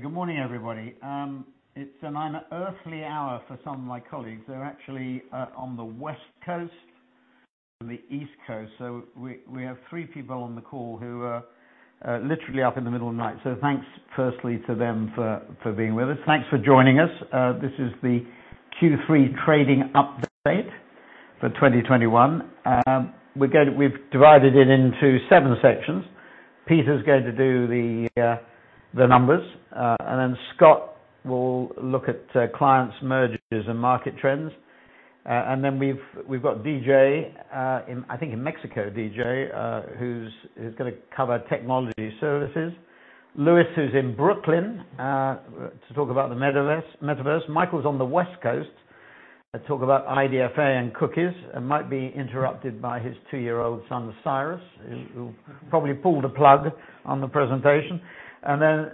Good morning, everybody. It's an unearthly hour for some of my colleagues. They're actually on the West Coast and the East Coast. We have three people on the call who are literally up in the middle of the night. Thanks firstly to them for being with us. Thanks for joining us. This is the Q3 trading update for 2021. We've divided it into seven sections. Peter's going to do the numbers, and then Scott will look at clients, mergers, and market trends. We've got DJ in, I think, Mexico, whose gonna cover Technology Services. Louis, whose in Brooklyn, to talk about the metaverse. Michael's on the West Coast to talk about IDFA and cookies, and might be interrupted by his two-year-old son, Cyrus, who probably pulled the plug on the presentation. Then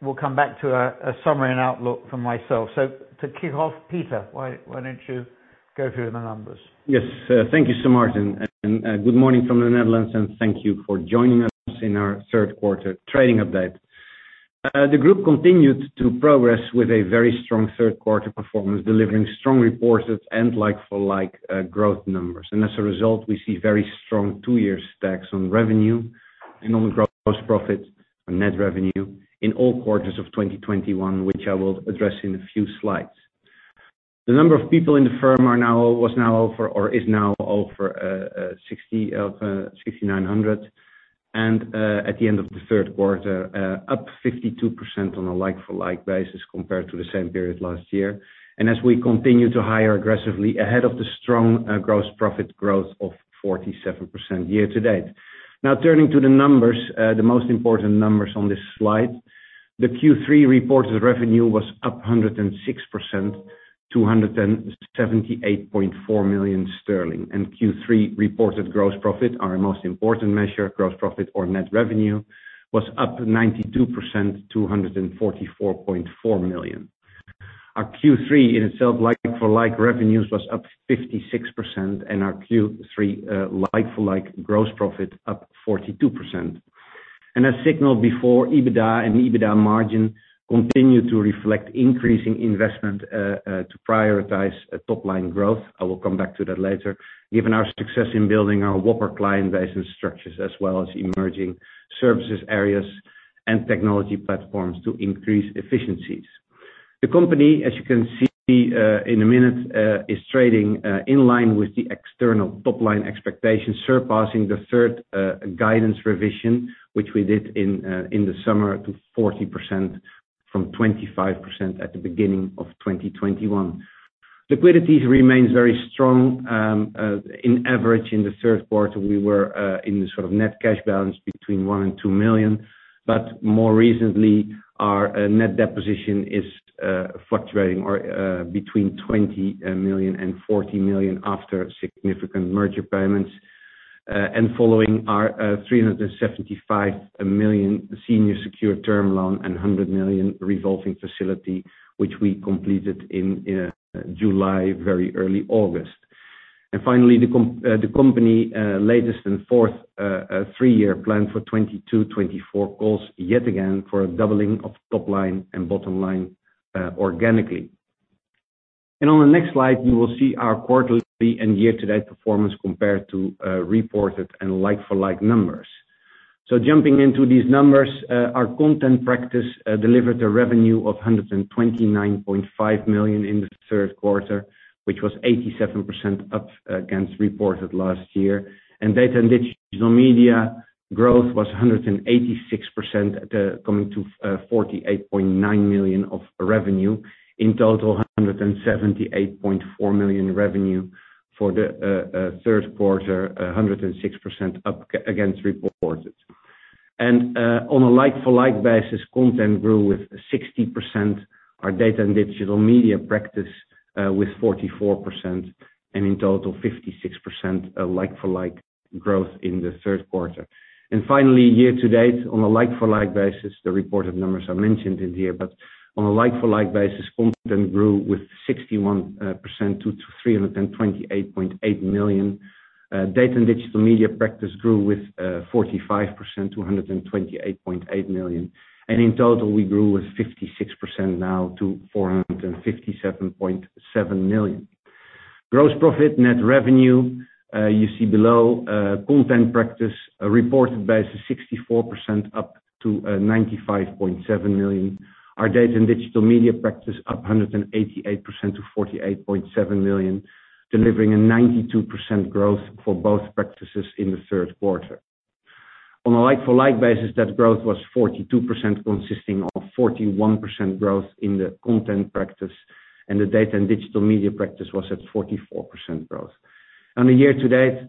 we'll come back to a summary and outlook from myself. To kick off, Peter, why don't you go through the numbers? Yes. Thank you, Sir Martin, and good morning from the Netherlands, and thank you for joining us in our third quarter trading update. The group continued to progress with a very strong third quarter performance, delivering strong reported and like-for-like growth numbers. As a result, we see very strong two-year stacks on revenue and on gross profit and net revenue in all quarters of 2021, which I will address in a few slides. The number of people in the firm is now over 6,900. At the end of the third quarter, up 52% on a like-for-like basis compared to the same period last year. As we continue to hire aggressively ahead of the strong gross profit growth of 47% year-to-date. Now turning to the numbers, the most important numbers on this slide, the Q3 reported revenue was up 106%, GBP 278.4 million. Q3 reported gross profit, our most important measure, gross profit or net revenue, was up 92%, 244.4 million. Our Q3 in itself, like-for-like revenues, was up 56%, and our Q3, like-for-like gross profit, up 42%. As signaled before, EBITDA and EBITDA margin continue to reflect increasing investment to prioritize a top line growth. I will come back to that later. Given our success in building our whopper client base and structures, as well as emerging services areas and technology platforms to increase efficiencies. The company, as you can see, in a minute, is trading in line with the external top line expectations, surpassing the third guidance revision, which we did in the summer to 40% from 25% at the beginning of 2021. Liquidity remains very strong. On average in the third quarter, we were in the sort of net cash balance between 1 million and 2 million. But more recently, our net position is fluctuating between 20 million and 40 million after significant merger payments. Following our 375 million senior secured term loan and 100 million revolving facility, which we completed in July, very early August. Finally, the company latest and fourth three-year plan for 2022-2024 calls, yet again, for a doubling of top line and bottom line, organically. On the next slide, you will see our quarterly and year-to-date performance compared to reported and like-for-like numbers. Jumping into these numbers, our content practice delivered a revenue of $129.5 million in the third quarter, which was 87% up against reported last year. Data & Digital Media growth was 186%, coming to $48.9 million of revenue. In total, $178.4 million revenue for the third quarter, 106% up against reported. On a like-for-like basis, Content grew 0%, our Data & Digital Media practice 44%, and in total, 56% like-for-like growth in the third quarter. Finally, year-to-date, on a like-for-like basis, the reported numbers I mentioned in here, but on a like-for-like basis, Content grew 61% to 328.8 million. Data & Digital Media practice grew 45% to 128.8 million. In total, we grew 56% now to 457.7 million. Gross profit, net revenue you see below, Content practice reported 64% up to 95.7 million. Our Data & Digital Media practice up 188% to 48.7 million, delivering a 92% growth for both practices in the third quarter. On a like-for-like basis, that growth was 42%, consisting of 41% growth in the content practice, and the Data & Digital Media practice was at 44% growth. On a year-to-date,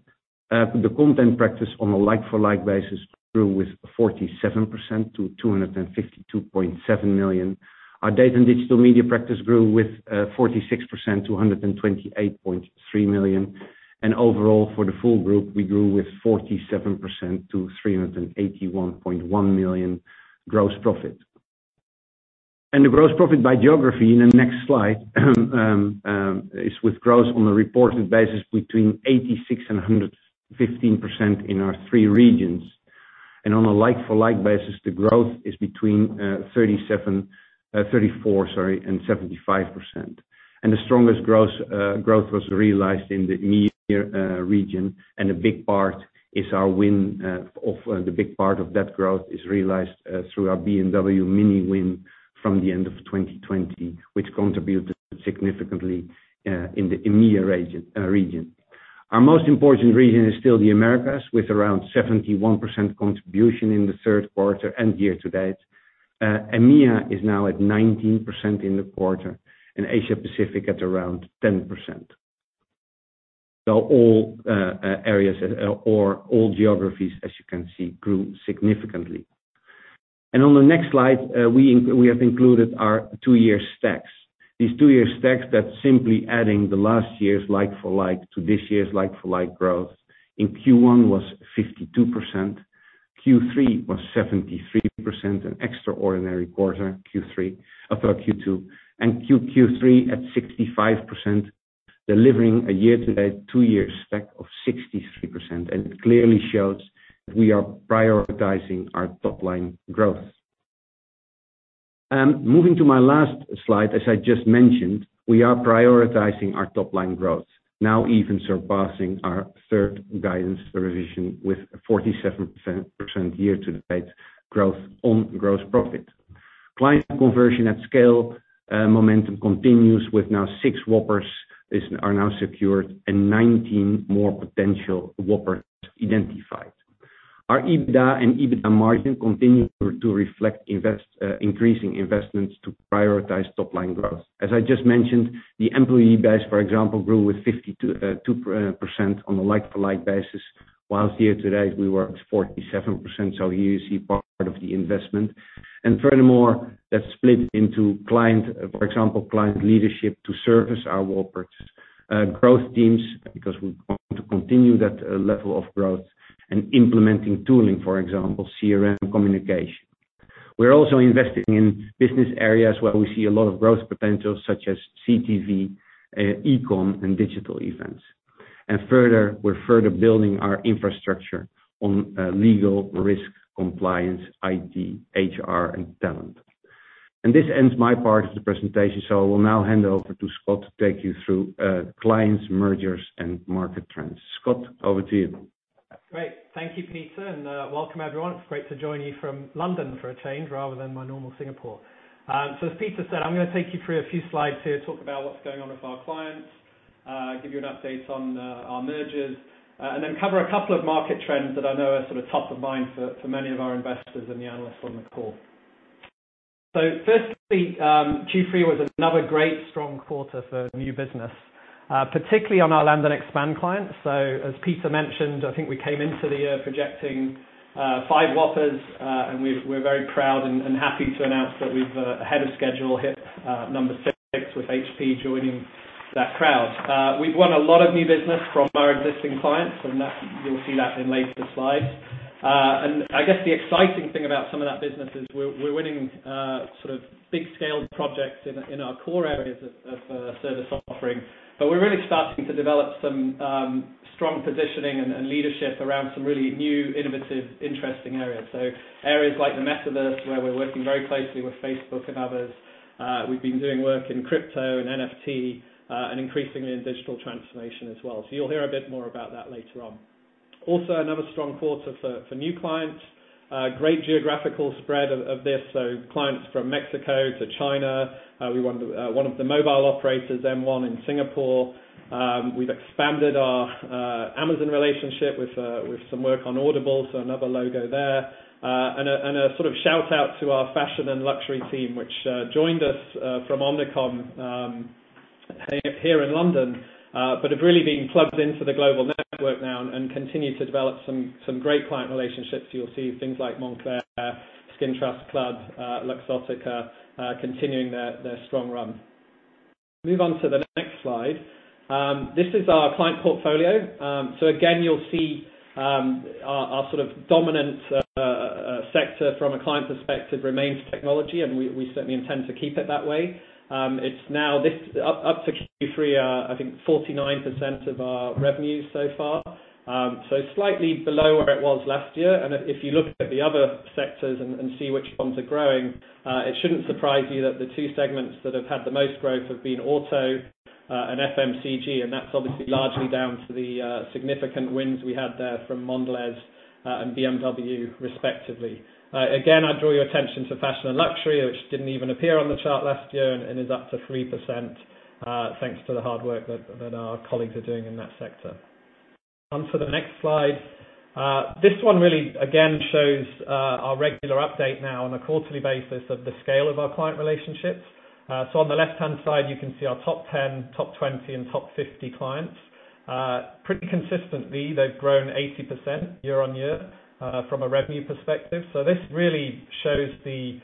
the content practice on a like-for-like basis grew with 47% to 252.7 million. Our Data & Digital Media practice grew with 46% to 128.3 million. Overall, for the full group, we grew 47% to 381.1 million gross profit. The gross profit by geography in the next slide is gross on a reported basis between 86% and 115% in our three regions. On a like-for-like basis, the growth is between 34% and 75%. The strongest gross growth was realized in the EMEA region, and a big part is our win of the big part of that growth is realized through our BMW MINI win from the end of 2020, which contributed significantly in the EMEA region. Our most important region is still the Americas, with around 71% contribution in the third quarter and year-to-date. EMEA is now at 19% in the quarter, and Asia Pacific at around 10%. All areas or all geographies, as you can see, grew significantly. On the next slide, we have included our two-year stacks. These two-year stacks that's simply adding the last year's like-for-like to this year's like-for-like growth. In Q1 was 52%, Q3 was 73%, an extraordinary quarter, Q3, Q2, and Q3 at 65%, delivering a year-to-date two-year stack of 63%. It clearly shows we are prioritizing our top-line growth. Moving to my last slide, as I just mentioned, we are prioritizing our top-line growth, now even surpassing our third guidance revision with 47% year-to-date growth on gross profit. Client conversion at scale momentum continues with now six whoppers are now secured and 19 more potential whoppers identified. Our EBITDA and EBITDA margin continue to reflect increasing investments to prioritize top line growth. As I just mentioned, the employee base, for example, grew with 52.2% on a like-for-like basis, while year to date we grew 47%, so you see part of the investment. That's split into client, for example, client leadership to service our whoppers, growth teams, because we want to continue that level of growth, and implementing tooling, for example, CRM communication. We're also investing in business areas where we see a lot of growth potential, such as CTV, e-com, and digital events. We're further building our infrastructure on legal, risk, compliance, IT, HR, and talent. This ends my part of the presentation, so I will now hand over to Scott to take you through clients, mergers and market trends. Scott, over to you. Great. Thank you, Peter, and welcome everyone. It's great to join you from London for a change, rather than my normal Singapore. As Peter said, I'm gonna take you through a few slides here, talk about what's going on with our clients, give you an update on our mergers, and then cover a couple of market trends that I know are sort of top of mind for many of our investors and the analysts on the call. Firstly, Q3 was another great strong quarter for new business, particularly on our land and expand clients. As Peter mentioned, I think we came into the year projecting five whoppers, and we're very proud and happy to announce that we've, ahead of schedule, hit number six with HP joining that crowd. We've won a lot of new business from our existing clients and that you'll see that in later slides. I guess the exciting thing about some of that business is we're winning sort of big scale projects in our core areas of service offering. We're really starting to develop some strong positioning and leadership around some really new, innovative, interesting areas. Areas like the metaverse, where we're working very closely with Facebook and others. We've been doing work in crypto and NFT and increasingly in digital transformation as well. You'll hear a bit more about that later on. Also another strong quarter for new clients. Great geographical spread of this, so clients from Mexico to China. We won one of the mobile operators, M1 in Singapore. We've expanded our Amazon relationship with some work on Audible, so another logo there. A sort of shout out to our fashion and luxury team, which joined us from Omnicom here in London, but have really been plugged into the global network now and continue to develop some great client relationships. You'll see things like Moncler, Skin Trust Club, Luxottica, continuing their strong run. Move on to the next slide. This is our client portfolio. Again, you'll see our sort of dominant sector from a client perspective remains technology, and we certainly intend to keep it that way. It's now up to Q3, I think 49% of our revenue so far. Slightly below where it was last year. If you look at the other sectors and see which ones are growing, it shouldn't surprise you that the two segments that have had the most growth have been auto and FMCG, and that's obviously largely down to the significant wins we had there from Mondelēz and BMW respectively. Again, I draw your attention to fashion and luxury, which didn't even appear on the chart last year and is up to 3%, thanks to the hard work that our colleagues are doing in that sector. On to the next slide. This one really again shows our regular update now on a quarterly basis of the scale of our client relationships. On the left-hand side, you can see our top 10, top 20, and top 50 clients. Pretty consistently, they've grown 80% year-on-year from a revenue perspective. This really shows the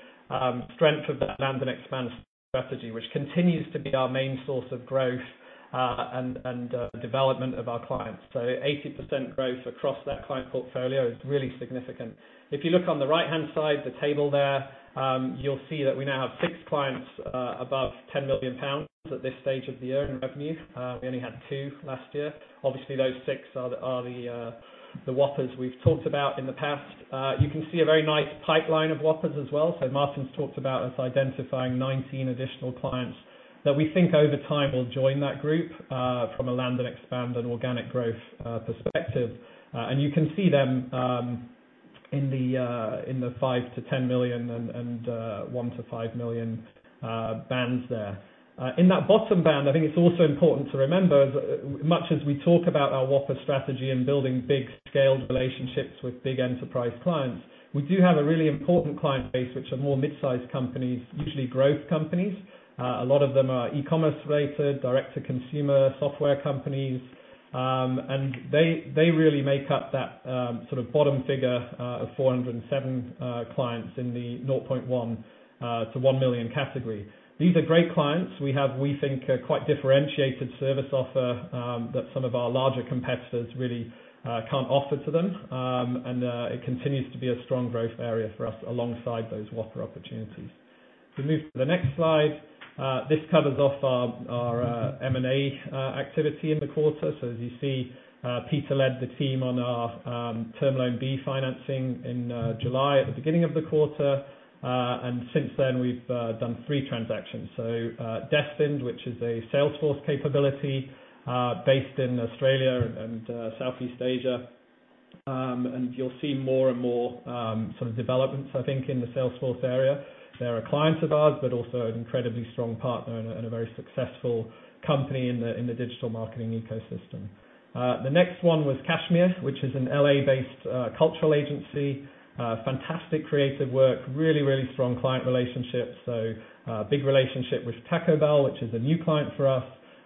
strength of that land and expand strategy, which continues to be our main source of growth and development of our clients. 80% growth across that client portfolio is really significant. If you look on the right-hand side, the table there, you'll see that we now have six clients above 10 million pounds at this stage of the year in revenue. We only had two last year. Obviously, those six are the whoppers we've talked about in the past. You can see a very nice pipeline of whoppers as well. Martin's talked about us identifying 19 additional clients that we think over time will join that group, from a land and expand and organic growth perspective. You can see them in the $5 million-$10 million and $1 million-$5 million bands there. In that bottom band, I think it's also important to remember much as we talk about our whopper strategy and building big scaled relationships with big enterprise clients, we do have a really important client base, which are more mid-sized companies, usually growth companies. A lot of them are e-commerce related, direct-to-consumer software companies. They really make up that sort of bottom figure of 407 clients in the $0.1 million-$1 million category. These are great clients. We have, we think, a quite differentiated service offer that some of our larger competitors really can't offer to them. It continues to be a strong growth area for us alongside those whopper opportunities. If we move to the next slide, this covers off our M&A activity in the quarter. As you see, Peter led the team on our term loan B financing in July at the beginning of the quarter. Since then, we've done three transactions, Destined, which is a Salesforce capability based in Australia and Southeast Asia, and you'll see more and more sort of developments, I think, in the Salesforce area. They're a client of ours, but also an incredibly strong partner and a very successful company in the digital marketing ecosystem. The next one was Cashmere, which is an L.A.-based cultural agency, fantastic creative work, really strong client relationships. A big relationship with Taco Bell, which is a new client for us.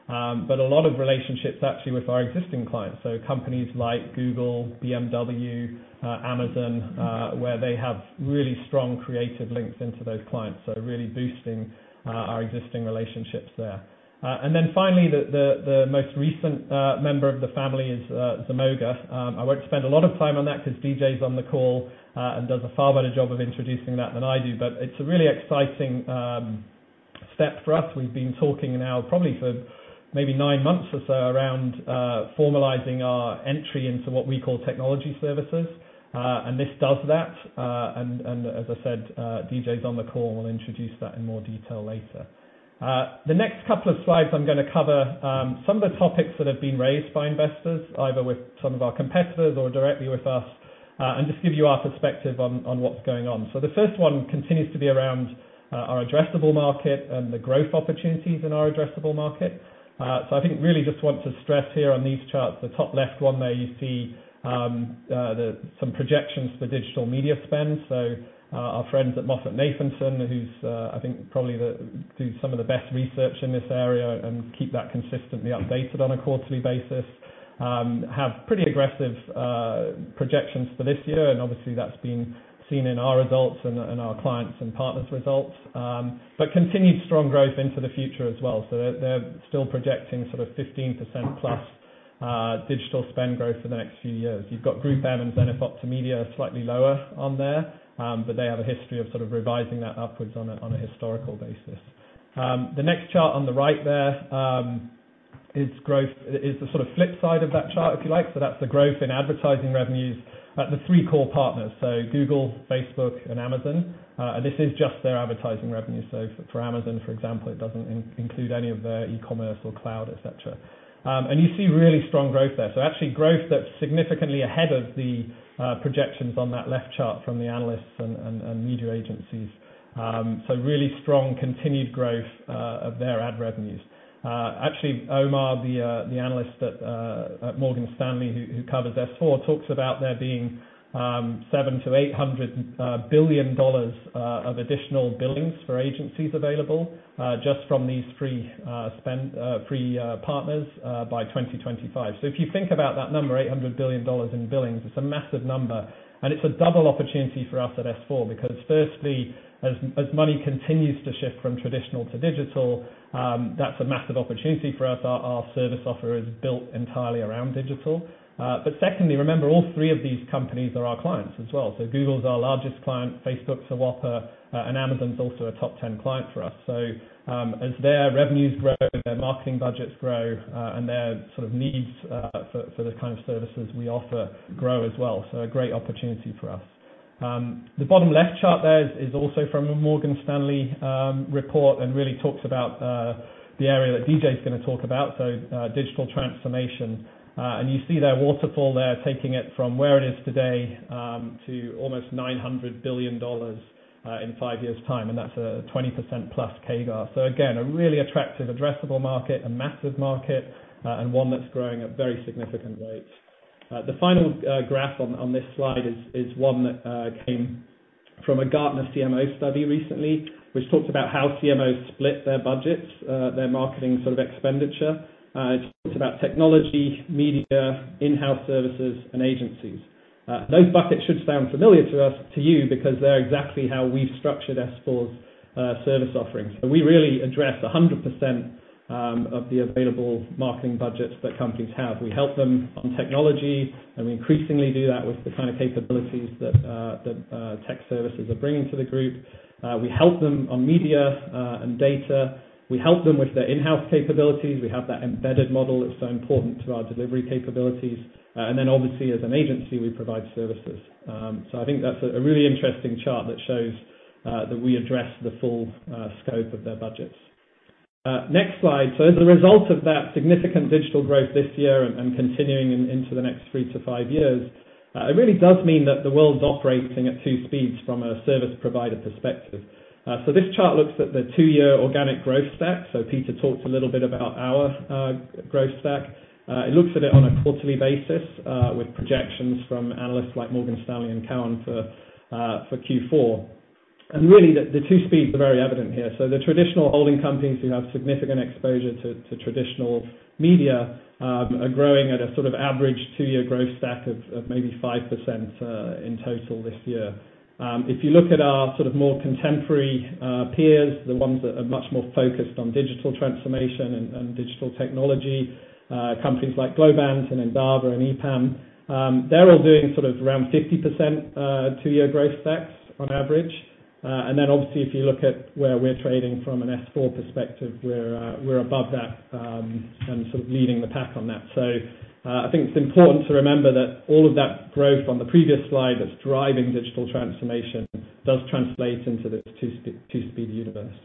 A lot of relationships actually with our existing clients. Companies like Google, BMW, Amazon, where they have really strong creative links into those clients, so really boosting our existing relationships there. Finally, the most recent member of the family is Zemoga. I won't spend a lot of time on that 'cause DJ's on the call, and does a far better job of introducing that than I do. It's a really exciting step for us. We've been talking now probably for maybe nine months or so around formalizing our entry into what we call Technology Services. This does that. As I said, DJ's on the call and will introduce that in more detail later. The next couple of slides, I'm gonna cover some of the topics that have been raised by investors, either with some of our competitors or directly with us, and just give you our perspective on what's going on. The first one continues to be around our addressable market and the growth opportunities in our addressable market. I think really just want to stress here on these charts, the top left one there you see some projections for digital media spend. Our friends at MoffettNathanson, whose I think probably do some of the best research in this area and keep that consistently updated on a quarterly basis, have pretty aggressive projections for this year, and obviously that's been seen in our results and our clients and partners' results. Continued strong growth into the future as well. They're still projecting sort of 15%+ digital spend growth for the next few years. You've got GroupM and then Optimedia are slightly lower on there, but they have a history of sort of revising that upwards on a historical basis. The next chart on the right there is the sort of flip side of that chart, if you like. That's the growth in advertising revenues at the three core partners, Google, Facebook, and Amazon. This is just their advertising revenue. For Amazon, for example, it doesn't include any of their e-commerce or cloud, et cetera. And you see really strong growth there. Actually growth that's significantly ahead of the projections on that left chart from the analysts and media agencies. Really strong continued growth of their ad revenues. Actually, Omar Sheikh, the analyst at Morgan Stanley who covers S4, talks about there being $700 billion-$800 billion of additional billings for agencies available just from these three partners by 2025. If you think about that number, $800 billion in billings, it's a massive number, and it's a double opportunity for us at S4 because firstly, as money continues to shift from traditional to digital, that's a massive opportunity for us. Our service offer is built entirely around digital. But secondly, remember all three of these companies are our clients as well. Google's our largest client, Facebook's a whopper, and Amazon's also a top 10 client for us. As their revenues grow, their marketing budgets grow, and their sort of needs for the kind of services we offer grow as well. A great opportunity for us. The bottom left chart there is also from a Morgan Stanley report and really talks about the area that DJ's gonna talk about, digital transformation. You see that waterfall there, taking it from where it is today, to almost $900 billion in five years' time, and that's a 20%+ CAGR. Again, a really attractive addressable market, a massive market, and one that's growing at very significant rates. The final graph on this slide is one that came from a Gartner CMO study recently, which talks about how CMOs split their budgets, their marketing sort of expenditure. It talks about technology, media, in-house services, and agencies. Those buckets should sound familiar to you because they're exactly how we've structured S4's service offerings. We really address 100% of the available marketing budgets that companies have. We help them on technology, and we increasingly do that with the kind of capabilities that Technology Services are bringing to the group. We help them on media and data. We help them with their in-house capabilities. We have that embedded model that's so important to our delivery capabilities. And then obviously, as an agency, we provide services. I think that's a really interesting chart that shows that we address the full scope of their budgets. Next slide. As a result of that significant digital growth this year and continuing into the next three to five years, it really does mean that the world's operating at two speeds from a service provider perspective. This chart looks at the two-year organic growth stack. Peter talked a little bit about our growth stack. It looks at it on a quarterly basis with projections from analysts like Morgan Stanley and Cowen for Q4. Really the two speeds are very evident here. The traditional holding companies who have significant exposure to traditional media are growing at a sort of average two-year growth stack of maybe 5% in total this year. If you look at our sort of more contemporary peers, the ones that are much more focused on digital transformation and digital technology, companies like Globant and Endava and EPAM, they're all doing sort of around 50% two-year growth stacks on average. Obviously, if you look at where we're trading from an S4 perspective, we're above that and sort of leading the pack on that. I think it's important to remember that all of that growth on the previous slide that's driving digital transformation does translate into this two-speed universe.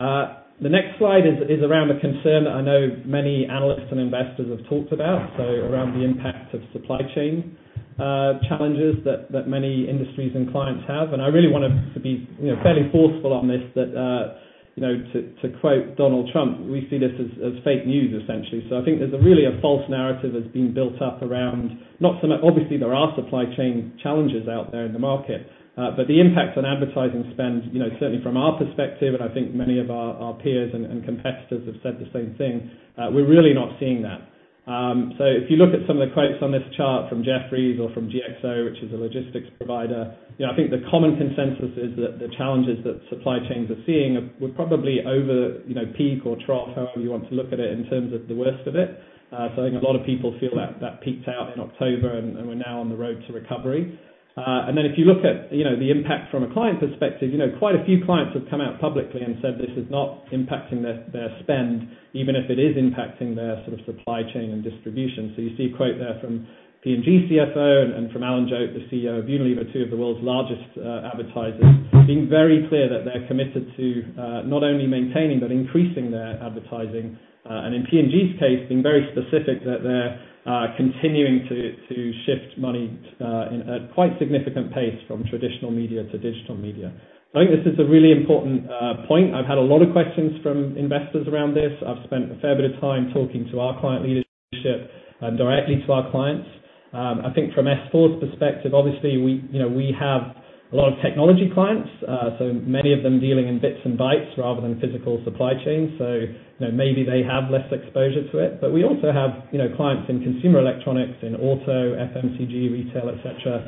The next slide is around a concern I know many analysts and investors have talked about, so around the impact of supply chain challenges that many industries and clients have. I really wanted to be, you know, fairly forceful on this, that, you know, to quote Donald Trump, we see this as fake news essentially. I think there's really a false narrative that's been built up around not so much. Obviously, there are supply chain challenges out there in the market, but the impact on advertising spend, you know, certainly from our perspective, and I think many of our peers and competitors have said the same thing, we're really not seeing that. If you look at some of the quotes on this chart from Jefferies or from GXO, which is a logistics provider, you know, I think the common consensus is that the challenges that supply chains are seeing would probably peak or trough, however you want to look at it, in terms of the worst of it. I think a lot of people feel that peaked out in October and we're now on the road to recovery. If you look at, you know, the impact from a client perspective, you know, quite a few clients have come out publicly and said this is not impacting their spend, even if it is impacting their sort of supply chain and distribution. You see a quote there from P&G's CFO and from Alan Jope, the CEO of Unilever, two of the world's largest advertisers, being very clear that they're committed to not only maintaining but increasing their advertising. In P&G's case, being very specific that they're continuing to shift money in a quite significant pace from traditional media to digital media. I think this is a really important point. I've had a lot of questions from investors around this. I've spent a fair bit of time talking to our client leadership and directly to our clients. I think from S4's perspective, obviously we, you know, we have a lot of technology clients, so many of them dealing in bits and bytes rather than physical supply chain. You know, maybe they have less exposure to it. But we also have, you know, clients in consumer electronics, in auto, FMCG, retail, et cetera,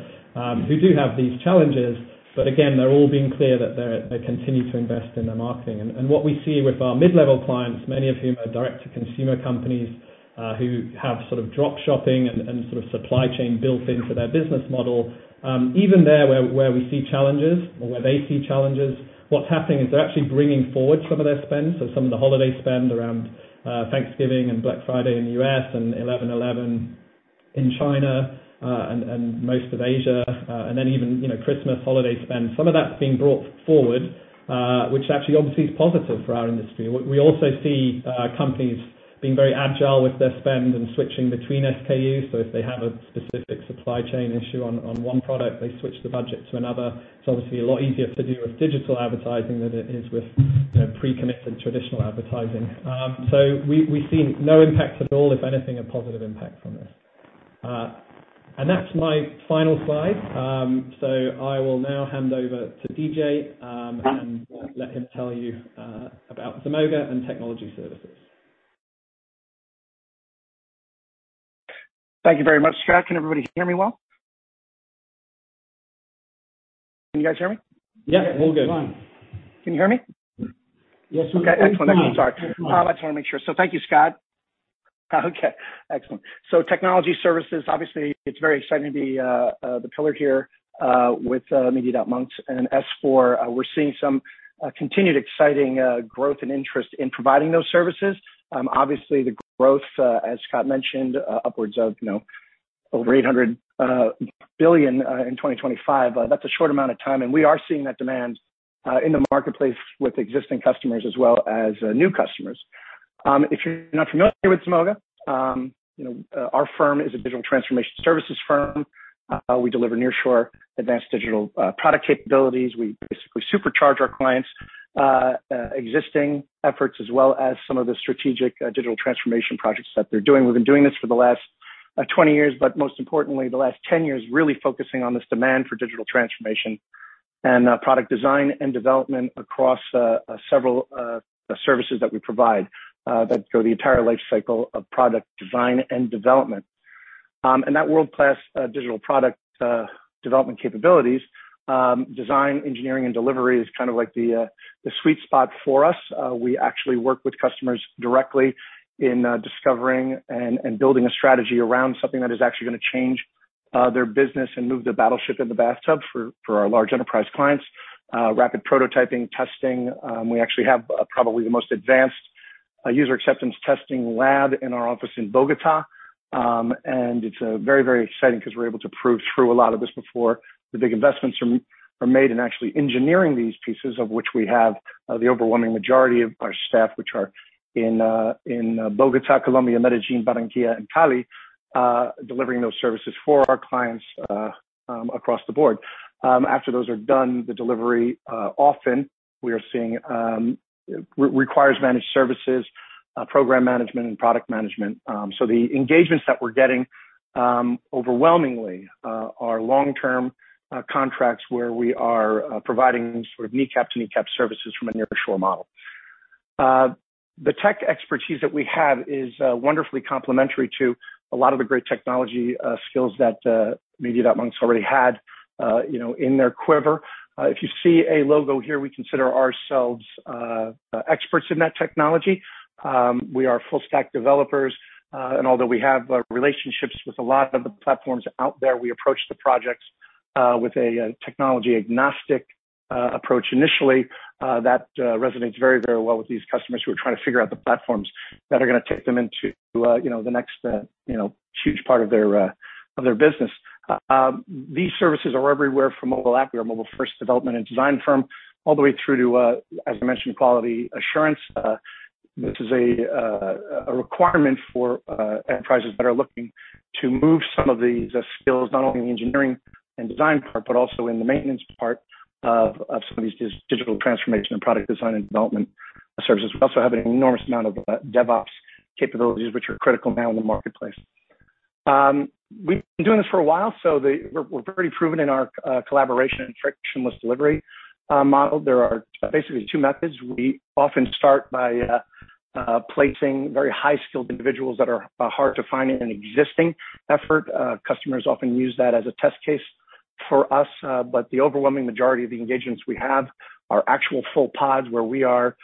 who do have these challenges. But again, they're all being clear that they continue to invest in their marketing. What we see with our mid-level clients, many of whom are direct-to-consumer companies, who have sort of drop shipping and sort of supply chain built into their business model, even there where we see challenges or where they see challenges, what's happening is they're actually bringing forward some of their spend. Some of the holiday spend around Thanksgiving and Black Friday in the U.S. and 11/11 in China, and most of Asia, and then even, you know, Christmas holiday spend, some of that's being brought forward, which actually obviously is positive for our industry. We also see companies being very agile with their spend and switching between SKUs. If they have a specific supply chain issue on one product, they switch the budget to another. It's obviously a lot easier to do with digital advertising than it is with, you know, pre-committed traditional advertising. We've seen no impact at all, if anything, a positive impact from this. And that's my final slide. I will now hand over to DJ, and let him tell you about Zemoga and Technology Services. Thank you very much, Scott. Can everybody hear me well? Can you guys hear me? Yeah, all good. Yeah, fine. Can you hear me? Yes, sir. Okay, excellent. Sorry. I just want to make sure. Thank you, Scott. Okay, excellent. Technology services, obviously it's very exciting, the pillar here with Media.Monks and S4. We're seeing some continued exciting growth and interest in providing those services. Obviously the growth, as Scott mentioned, upwards of over $800 billion in 2025. That's a short amount of time, and we are seeing that demand in the marketplace with existing customers as well as new customers. If you're not familiar with Zemoga, our firm is a digital transformation services firm. We deliver nearshore advanced digital product capabilities. We basically supercharge our clients existing efforts, as well as some of the strategic digital transformation projects that they're doing. We've been doing this for the last 20 years, but most importantly the last 10 years, really focusing on this demand for digital transformation. Product design and development across several services that we provide that go the entire lifecycle of product design and development. That world-class digital product development capabilities, design, engineering and delivery is kind of like the sweet spot for us. We actually work with customers directly in discovering and building a strategy around something that is actually gonna change their business and move the battleship in the bathtub for our large enterprise clients. Rapid prototyping, testing. We actually have probably the most advanced user acceptance testing lab in our office in Bogotá. It's very, very exciting because we're able to prove through a lot of this before the big investments are made in actually engineering these pieces, of which we have the overwhelming majority of our staff, which are in Bogotá, Colombia, Medellín, Barranquilla, and Cali, delivering those services for our clients across the board. After those are done, the delivery often requires managed services, program management, and product management. The engagements that we're getting overwhelmingly are long-term contracts where we are providing sort of end-to-end services from a nearshore model. The tech expertise that we have is wonderfully complementary to a lot of the great technology skills that Media.Monks already had, you know, in their quiver. If you see a logo here, we consider ourselves experts in that technology. We are full stack developers, and although we have relationships with a lot of the platforms out there, we approach the projects with a technology-agnostic approach initially. That resonates very, very well with these customers who are trying to figure out the platforms that are gonna take them into, you know, the next, you know, huge part of their business. These services are everywhere from mobile app. We are a mobile-first development and design firm all the way through to, as I mentioned, quality assurance. This is a requirement for enterprises that are looking to move some of these skills, not only in the engineering and design part, but also in the maintenance part of some of these digital transformation and product design and development services. We also have an enormous amount of DevOps capabilities, which are critical now in the marketplace. We've been doing this for a while, so we're pretty proven in our collaboration and frictionless delivery model. There are basically two methods. We often start by placing very high-skilled individuals that are hard to find in an existing effort. Customers often use that as a test case for us. The overwhelming majority of the engagements we have are actual full pods where we are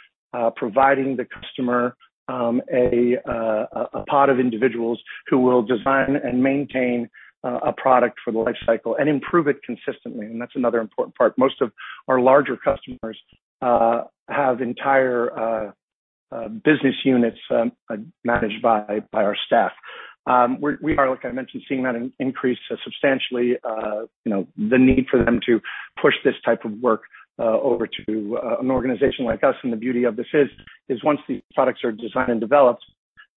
providing the customer a pod of individuals who will design and maintain a product for the lifecycle and improve it consistently. That's another important part. Most of our larger customers have entire business units managed by our staff. We are, like I mentioned, seeing that increase substantially, you know, the need for them to push this type of work over to an organization like us. The beauty of this is once these products are designed and developed,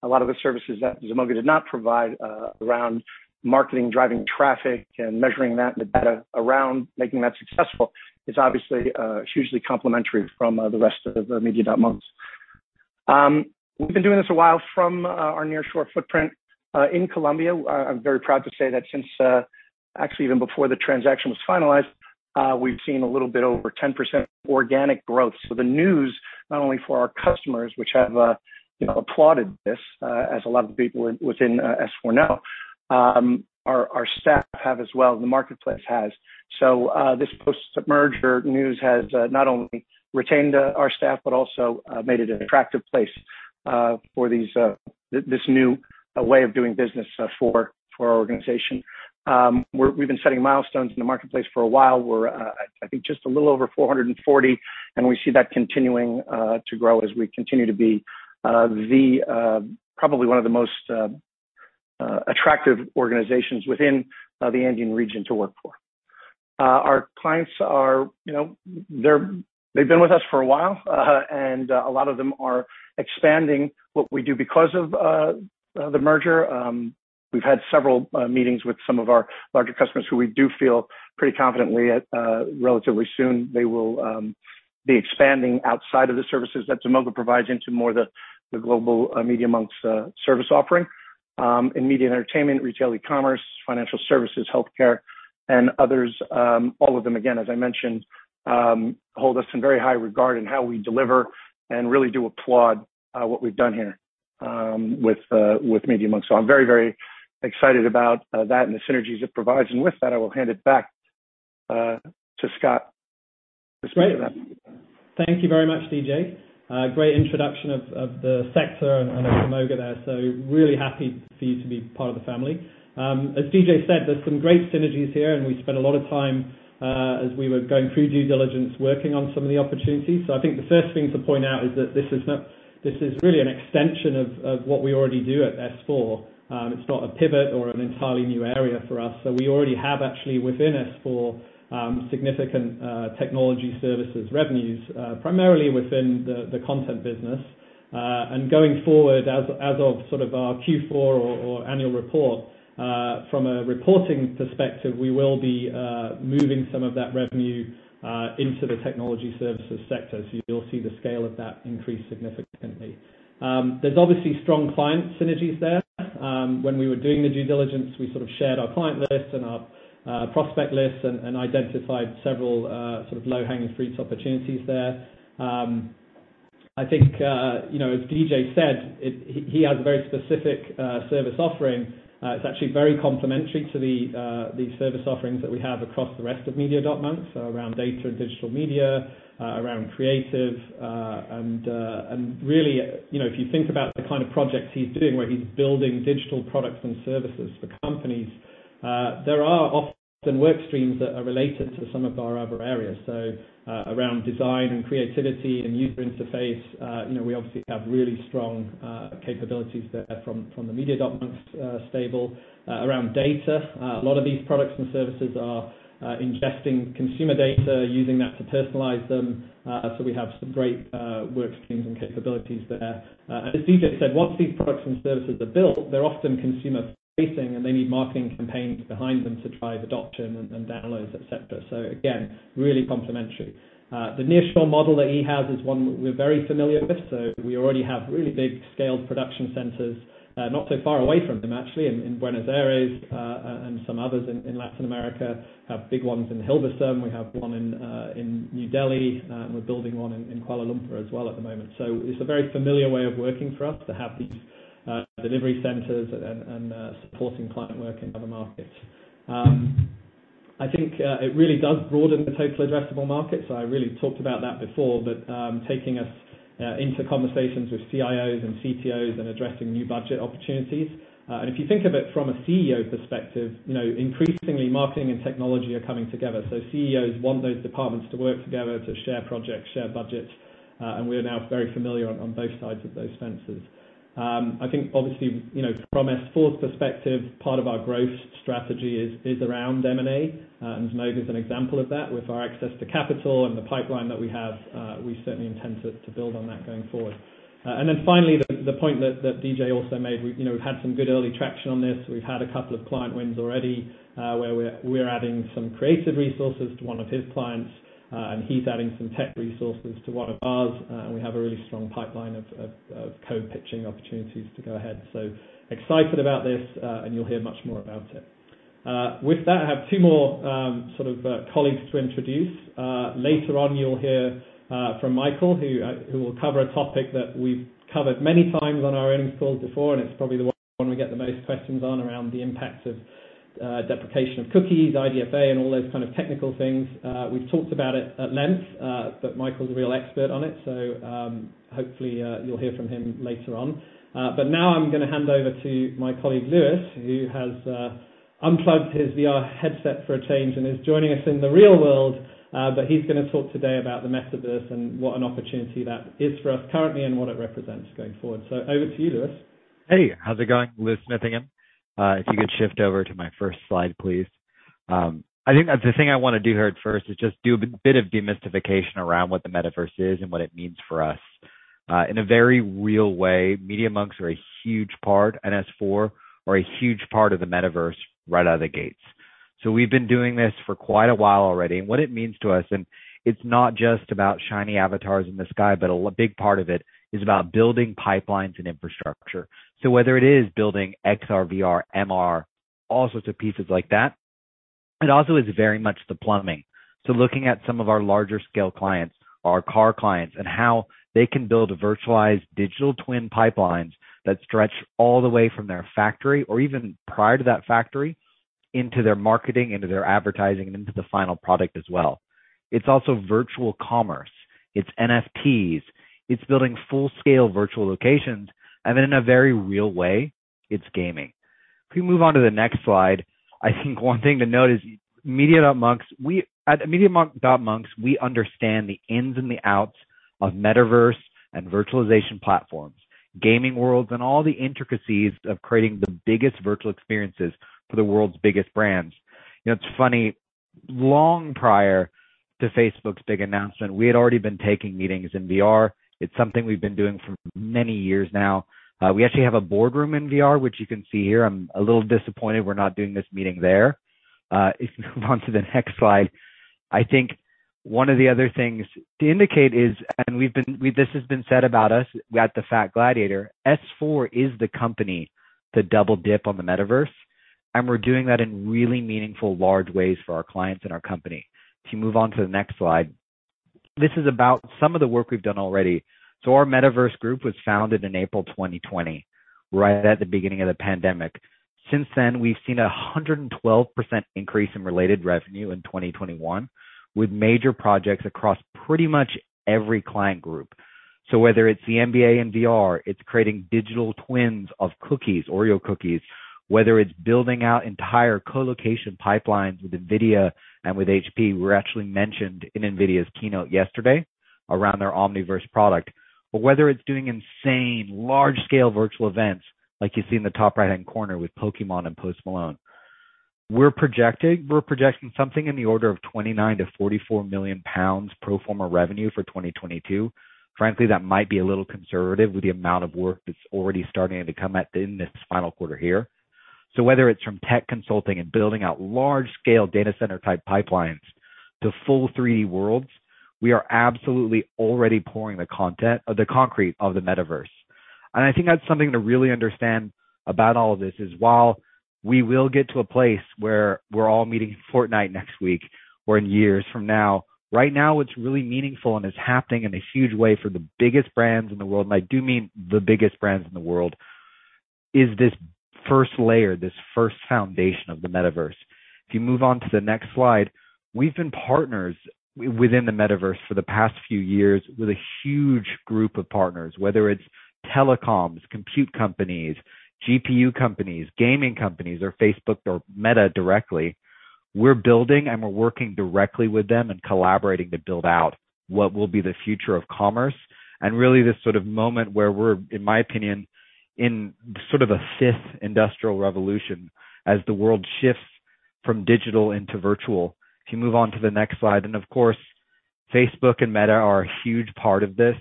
a lot of the services that Zemoga did not provide around marketing, driving traffic, and measuring that, the data around making that successful is obviously hugely complementary from the rest of Media.Monks. We've been doing this a while from our nearshore footprint in Colombia. I'm very proud to say that since actually, even before the transaction was finalized, we've seen a little bit over 10% organic growth. The news, not only for our customers, which have you know, applauded this, as a lot of the people within S4 know, our staff have as well, the marketplace has. This post-merger news has not only retained our staff, but also made it an attractive place for this new way of doing business for our organization. We've been setting milestones in the marketplace for a while. We are, I think, just a little over 440, and we see that continuing to grow as we continue to be the probably one of the most attractive organizations within the Andean region to work for. Our clients are, you know, they've been with us for a while, and a lot of them are expanding what we do because of the merger. We've had several meetings with some of our larger customers who we do feel pretty confident that, relatively soon they will be expanding outside of the services that Zemoga provides into more the global Media.Monks service offering in media and entertainment, retail, e-commerce, financial services, healthcare and others. All of them, again, as I mentioned, hold us in very high regard in how we deliver and really do applaud what we've done here with Media.Monks. I'm very, very excited about that and the synergies it provides. With that, I will hand it back to Scott to speak to that. Great. Thank you very much, DJ. Great introduction of the sector and of Zemoga there. Really happy for you to be part of the family. As DJ said, there's some great synergies here, and we spent a lot of time, as we were going through due diligence, working on some of the opportunities. I think the first thing to point out is that this is really an extension of what we already do at S4. It's not a pivot or an entirely new area for us. We already have actually within S4, significant Technology Services revenues, primarily within the content business. Going forward, as of sort of our Q4 or annual report, from a reporting perspective, we will be moving some of that revenue into the Technology Services sector. You'll see the scale of that increase significantly. There's obviously strong client synergies there. When we were doing the due diligence, we sort of shared our client list and our prospect list and identified several sort of low-hanging fruit opportunities there. I think, you know, as DJ said, he has a very specific service offering. It's actually very complementary to the service offerings that we have across the rest of Media.Monks around Data & Digital Media, around creative. Really, you know, if you think about the kind of projects he's doing where he's building digital products and services for companies, there are often work streams that are related to some of our other areas. Around design and creativity and user interface, you know, we obviously have really strong capabilities there from the Media.Monks stable, around data. A lot of these products and services are ingesting consumer data, using that to personalize them. We have some great work streams and capabilities there. As DJ said, once these products and services are built, they're often consumer-facing, and they need marketing campaigns behind them to drive adoption and downloads, et cetera. Again, really complementary. The nearshore model that he has is one we're very familiar with, so we already have really big scaled production centers not so far away from them actually in Buenos Aires and some others in Latin America. We have big ones in Hilversum. We have one in New Delhi. We're building one in Kuala Lumpur as well at the moment. It's a very familiar way of working for us to have these delivery centers and supporting client work in other markets. I think it really does broaden the total addressable market. I really talked about that before, but taking us into conversations with CIOs and CTOs and addressing new budget opportunities. If you think of it from a CEO perspective, you know, increasingly marketing and technology are coming together. CEOs want those departments to work together to share projects, share budgets, and we are now very familiar on both sides of those fences. I think obviously, you know, from S4's perspective, part of our growth strategy is around M&A, and Zemoga is an example of that with our access to capital and the pipeline that we have. We certainly intend to build on that going forward. Finally, the point that DJ also made. We, you know, we've had some good early traction on this. We've had a couple of client wins already, where we're adding some creative resources to one of his clients, and he's adding some tech resources to one of ours. We have a really strong pipeline of co-pitching opportunities to go ahead. Excited about this, and you'll hear much more about it. With that, I have two more, sort of, colleagues to introduce. Later on, you'll hear from Michael who will cover a topic that we've covered many times on our earnings calls before, and it's probably the one we get the most questions on around the impact of deprecation of cookies, IDFA and all those kind of technical things. We've talked about it at length, but Michael's a real expert on it, so hopefully you'll hear from him later on. Now I'm gonna hand over to my colleague, Lewis, who has unplugged his VR headset for a change and is joining us in the real world. He's gonna talk today about the metaverse and what an opportunity that is for us currently and what it represents going forward. Over to you, Lewis. Hey, how's it going? Lewis Smithingham. If you could shift over to my first slide, please. I think the thing I wanna do here at first is just do a bit of demystification around what the metaverse is and what it means for us. In a very real way, Media.Monks are a huge part, and S4 are a huge part of the metaverse right out of the gates. We've been doing this for quite a while already, and what it means to us, and it's not just about shiny avatars in the sky, but big part of it is about building pipelines and infrastructure. Whether it is building XR, VR, MR, all sorts of pieces like that, it also is very much the plumbing. Looking at some of our larger sca e clients, our car clients, and how they can build virtualized digital twin pipelines that stretch all the way from their factory or even prior to that factory, into their marketing, into their advertising and into the final product as well. It's also virtual commerce. It's NFTs. It's building full scale virtual locations. In a very real way, it's gaming. If you move on to the next slide, I think one thing to note is, at Media.Monks, we understand the ins and the outs of metaverse and virtualization platforms, gaming worlds, and all the intricacies of creating the biggest virtual experiences for the world's biggest brands. You know, it's funny, long prior to Facebook's big announcement, we had already been taking meetings in VR. It's something we've been doing for many years now. We actually have a boardroom in VR, which you can see here. I'm a little disappointed we're not doing this meeting there. If you can move on to the next slide. I think one of the other things to indicate is this has been said about us at the FT, Ad Age. S4 is the company to double dip on the metaverse, and we're doing that in really meaningful large ways for our clients and our company. If you move on to the next slide. This is about some of the work we've done already. Our metaverse group was founded in April 2020, right at the beginning of the pandemic. Since then, we've seen a 112% increase in related revenue in 2021, with major projects across pretty much every client group. Whether it's the NBA in VR, it's creating digital twins of cookies, Oreo cookies, whether it's building out entire colocation pipelines with NVIDIA and with HP. We're actually mentioned in NVIDIA's keynote yesterday around their Omniverse product. Whether it's doing insane large scale virtual events, like you see in the top right-hand corner with Pokémon and Post Malone. We're projecting something in the order of 29 million-44 million pounds pro forma revenue for 2022. Frankly, that might be a little conservative with the amount of work that's already starting to come out in this final quarter here. Whether it's from tech consulting and building out large-scale data center type pipelines to full 360 worlds, we are absolutely already pouring the content, the concrete of the metaverse. I think that's something to really understand about all of this is while we will get to a place where we're all meeting in Fortnite next week or in years from now, right now what's really meaningful and is happening in a huge way for the biggest brands in the world, and I do mean the biggest brands in the world, is this first layer, this first foundation of the metaverse. If you move on to the next slide. We've been partners within the metaverse for the past few years with a huge group of partners, whether it's telecoms, compute companies, GPU companies, gaming companies, or Facebook or Meta directly. We're building and we're working directly with them and collaborating to build out what will be the future of commerce and really this sort of moment where we're, in my opinion, in sort of a fifth industrial revolution as the world shifts from digital into virtual. If you move on to the next slide. Of course, Facebook and Meta are a huge part of this.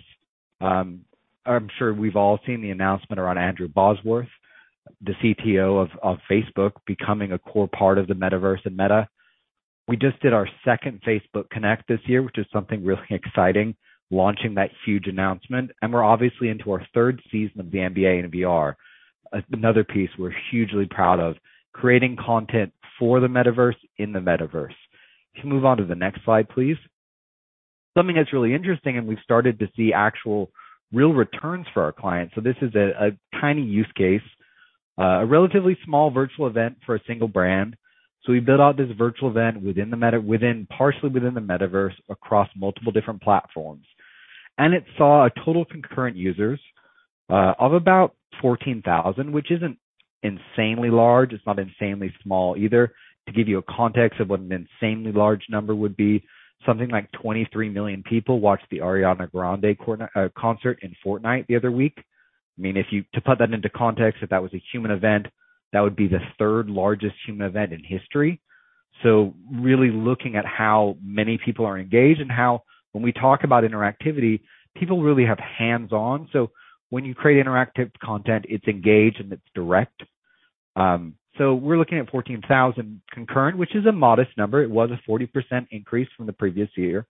I'm sure we've all seen the announcement around Andrew Bosworth, the CTO of Facebook, becoming a core part of the Metaverse and Meta. We just did our second Facebook Connect this year, which is something really exciting, launching that huge announcement. We're obviously into our third season of the NBA in VR. Another piece we're hugely proud of, creating content for the Metaverse in the Metaverse. If you move on to the next slide, please. Something that's really interesting, and we've started to see actual real returns for our clients. This is a tiny use case, a relatively small virtual event for a single brand. We built out this virtual event within the metaverse across multiple different platforms. It saw a total concurrent users of about 14,000, which isn't insanely large. It's not insanely small either. To give you a context of what an insanely large number would be, something like 23 million people watched the Ariana Grande concert in Fortnite the other week. I mean, to put that into context, if that was a human event, that would be the third-largest human event in history. Really looking at how many people are engaged and how when we talk about interactivity, people really have hands-on. When you create interactive content, it's engaged and it's direct. We're looking at 14,000 concurrent, which is a modest number. It was a 40% increase from the previous year.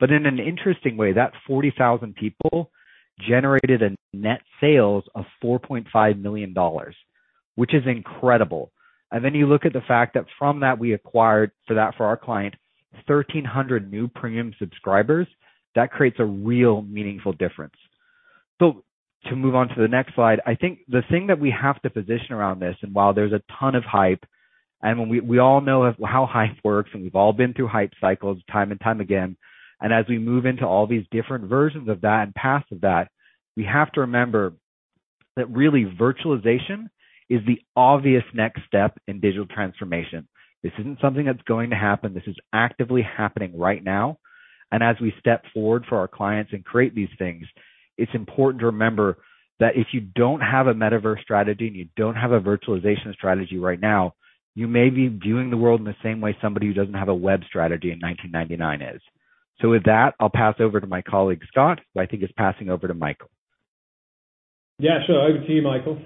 In an interesting way, that 40,000 people generated net sales of $4.5 million, which is incredible. Then you look at the fact that from that we acquired, for our client, 1,300 new premium subscribers. That creates a real meaningful difference. To move on to the next slide. I think the thing that we have to position around this, and while there's a ton of hype, and we all know how hype works, and we've all been through hype cycles time and time again. As we move into all these different versions of that and paths of that, we have to remember that really virtualization is the obvious next step in digital transformation. This isn't something that's going to happen. This is actively happening right now. As we step forward for our clients and create these things, it's important to remember that if you don't have a metaverse strategy and you don't have a virtualization strategy right now, you may be viewing the world in the same way somebody who doesn't have a web strategy in 1999 is. With that, I'll pass over to my colleague, Scott, who I think is passing over to Michael. Yeah, sure. Over to you, Michael.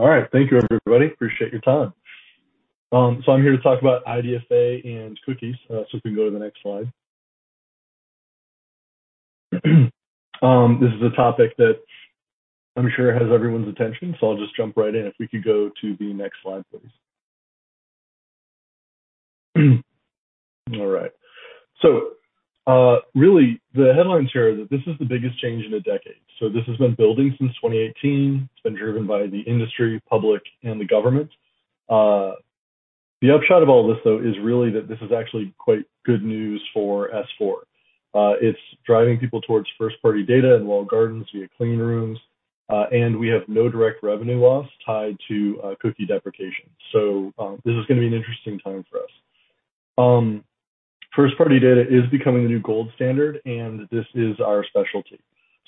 All right. Thank you, everybody. Appreciate your time. I'm here to talk about IDFA and cookies. If we can go to the next slide. This is a topic that I'm sure has everyone's attention, so I'll just jump right in. If we could go to the next slide, please. All right. Really the headlines here are that this is the biggest change in a decade. This has been building since 2018. It's been driven by the industry, public, and the government. The upshot of all this, though, is really that this is actually quite good news for S4. It's driving people towards first-party data and walled gardens via clean rooms, and we have no direct revenue loss tied to cookie deprecation. This is gonna be an interesting time for us. First-party data is becoming the new gold standard, and this is our specialty.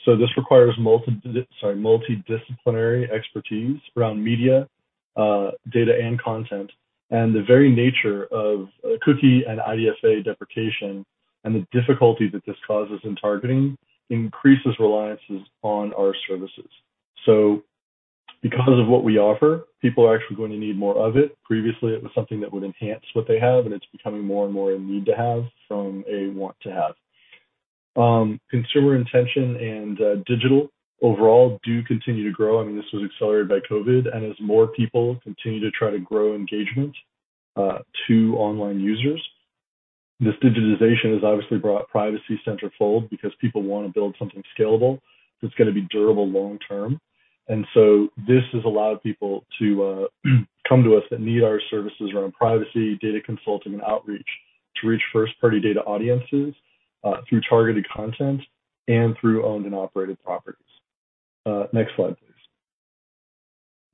This requires multidisciplinary expertise around media, data, and content. The very nature of cookie and IDFA deprecation and the difficulty that this causes in targeting increases reliance on our services. Because of what we offer, people are actually going to need more of it. Previously, it was something that would enhance what they have, and it's becoming more and more a need to have from a want to have. Consumer intention and digital overall do continue to grow. I mean, this was accelerated by COVID. As more people continue to try to grow engagement to online users, this digitization has obviously brought privacy-centric because people wanna build something scalable that's gonna be durable long term. This has allowed people to come to us that need our services around privacy, data consulting, and outreach to reach first-party data audiences through targeted content and through owned and operated properties. Next slide,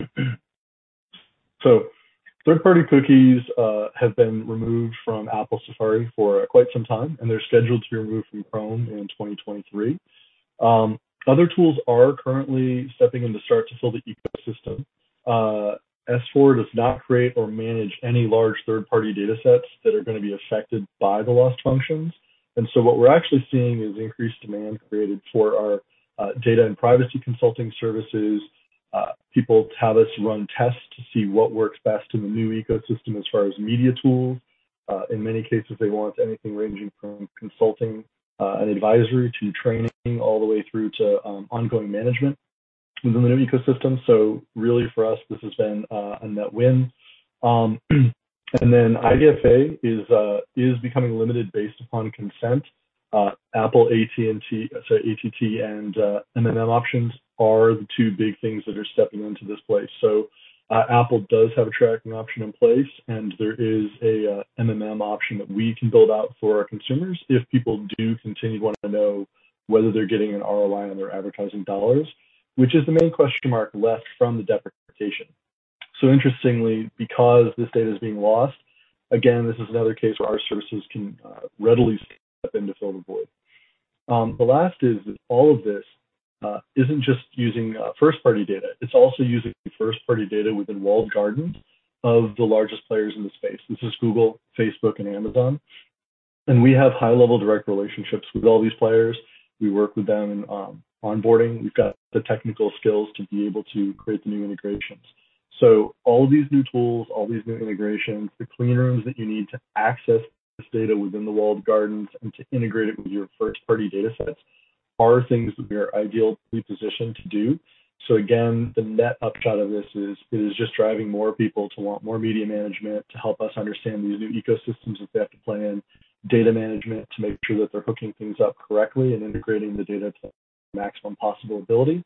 please. Third-party cookies have been removed from Apple Safari for quite some time, and they're scheduled to be removed from Chrome in 2023. Other tools are currently stepping in to start to fill the ecosystem. S4 does not create or manage any large third-party datasets that are gonna be affected by the lost functions. What we're actually seeing is increased demand created for our data and privacy consulting services. People have us run tests to see what works best in the new ecosystem as far as media tools. In many cases, they want anything ranging from consulting and advisory to training, all the way through to ongoing management within the new ecosystem. Really for us, this has been a net win. IDFA is becoming limited based upon consent. Apple ATT and MMM options are the two big things that are stepping into this place. Apple does have a tracking option in place, and there is a MMM option that we can build out for our consumers if people do continue to want to know whether they're getting an ROI on their advertising dollars, which is the main question mark left from the deprecation. Interestingly, because this data is being lost, again, this is another case where our services can readily step in to fill the void. The last is that all of this isn't just using first-party data. It's also using first-party data within walled gardens of the largest players in the space. This is Google, Facebook, and Amazon. We have high-level direct relationships with all these players. We work with them in onboarding. We've got the technical skills to be able to create the new integrations. All these new tools, all these new integrations, the clean rooms that you need to access this data within the walled gardens and to integrate it with your first-party datasets are things that we are ideally positioned to do. Again, the net upshot of this is it is just driving more people to want more media management to help us understand these new ecosystems that they have to play in, data management to make sure that they're hooking things up correctly, and integrating the data to maximum possible ability.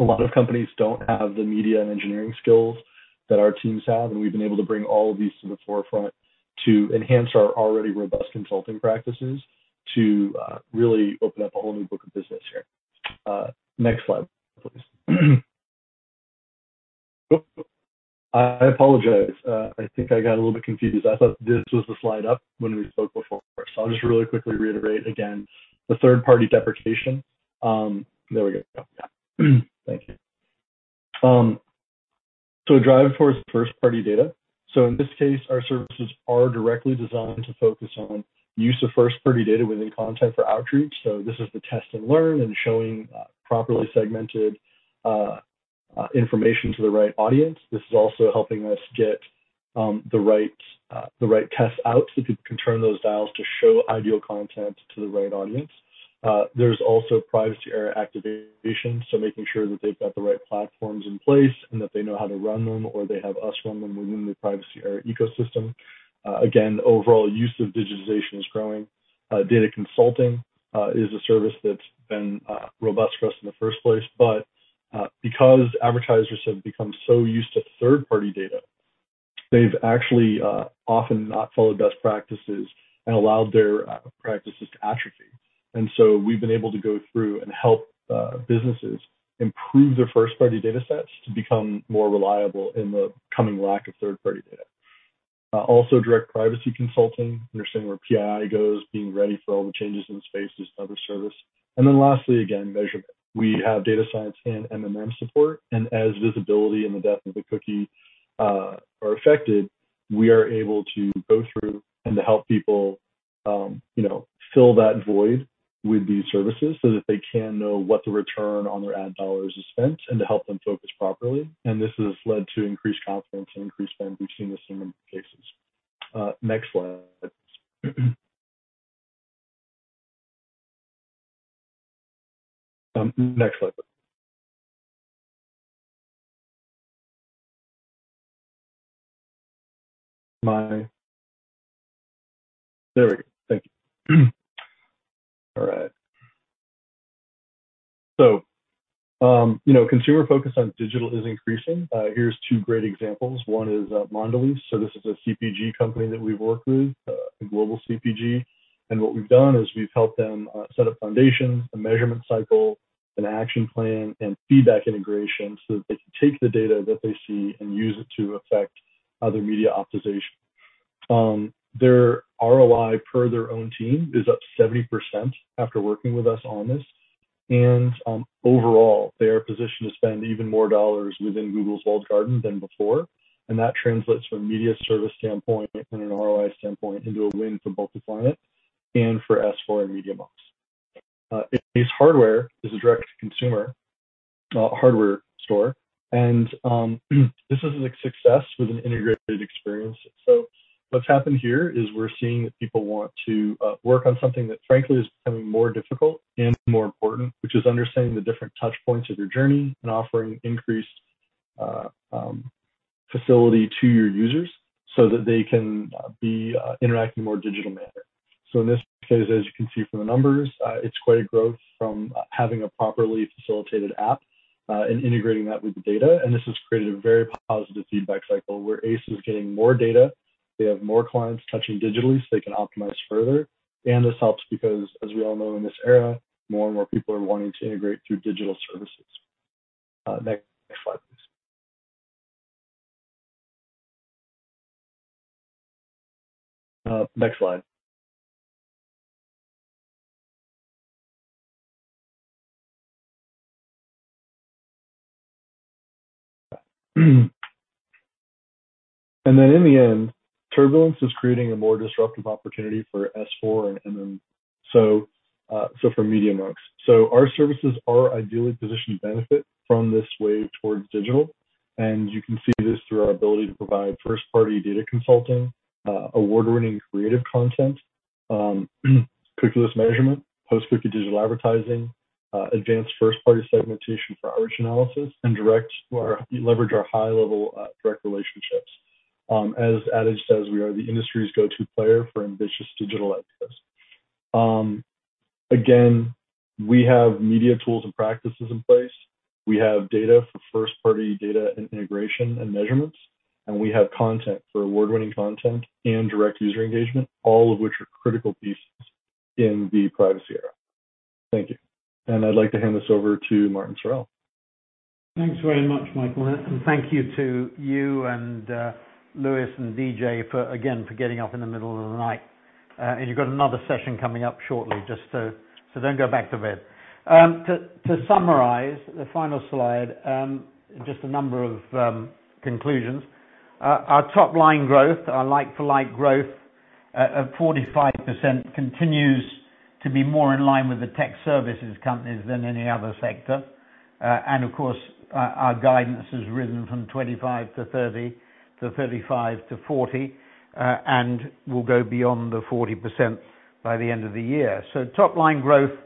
A lot of companies don't have the media and engineering skills that our teams have, and we've been able to bring all of these to the forefront to enhance our already robust consulting practices to really open up a whole new book of business here. Next slide, please. I apologize. I think I got a little bit confused. I thought this was the slide-up when we spoke before. I'll just really quickly reiterate again. The third-party deprecation. There we go. Yeah. Thank you. Drive towards first-party data. In this case, our services are directly designed to focus on use of first-party data within context for outreach. This is the test and learn and showing properly segmented information to the right audience. This is also helping us get the right tests out so we can turn those dials to show ideal content to the right audience. There's also privacy era activation, so making sure that they've got the right platforms in place and that they know how to run them or they have us run them within the privacy era ecosystem. Again, overall use of digitization is growing. Data consulting is a service that's been robust for us in the first place. Because advertisers have become so used to third-party data, they've actually, often not followed best practices and allowed their, practices to atrophy. We've been able to go through and help, businesses improve their first-party datasets to become more reliable in the coming lack of third-party data. Also direct privacy consulting, understanding where PII goes, being ready for all the changes in the space is another service. Lastly, again, measurement. We have data science and MMM support, and as visibility and the death of the cookie, are affected, we are able to go through and to help people, you know, fill that void with these services so that they can know what the return on their ad dollars is spent and to help them focus properly. This has led to increased confidence and increased spend between the same cases. You know, consumer focus on digital is increasing. Here's two great examples. One is Mondelēz. This is a CPG company that we've worked with, a global CPG. What we've done is we've helped them set up foundations, a measurement cycle, an action plan, and feedback integration so that they can take the data that they see and use it to affect other media optimization. Their ROI per their own team is up 70% after working with us on this. Overall, they are positioned to spend even more dollars within Google's walled garden than before, and that translates from a media service standpoint and an ROI standpoint into a win for both the client and for S4 and Media.Monks. Ace Hardware is a direct-to-consumer hardware store. This is a success with an integrated experience. What's happened here is we're seeing that people want to work on something that frankly is becoming more difficult and more important, which is understanding the different touchpoints of your journey and offering increased facility to your users so that they can be interacting in a more digital manner. In this case, as you can see from the numbers, it's quite a growth from having a properly facilitated app and integrating that with the data. This has created a very positive feedback cycle where Ace is getting more data. They have more clients touching digitally, so they can optimize further. This helps because, as we all know in this era, more and more people are wanting to integrate through digital services. In the end, turbulence is creating a more disruptive opportunity for S4 and MMM. For Media.Monks, our services are ideally positioned to benefit from this wave towards digital, and you can see this through our ability to provide first-party data consulting, award-winning creative content, cookieless measurement, post-cookie digital advertising, advanced first-party segmentation for audience analysis, and direct, or leverage our high-level direct relationships. As Ad Age says, we are the industry's go-to player for ambitious digital activations. Again, we have media tools and practices in place. We have data for first-party data integration and measurements, and we have content for award-winning content and direct user engagement, all of which are critical pieces in the privacy era. Thank you. I'd like to hand this over to Martin Sorrell. Thanks very much, Michael. Thank you to you and Lewis and DJ for getting up in the middle of the night. You've got another session coming up shortly. Don't go back to bed. To summarize the final slide, just a number of conclusions. Our top line growth, our like-for-like growth, of 45% continues to be more in line with the tech services companies than any other sector. Of course, our guidance has risen from 25-30-35-40, and will go beyond the 40% by the end of the year. Top line growth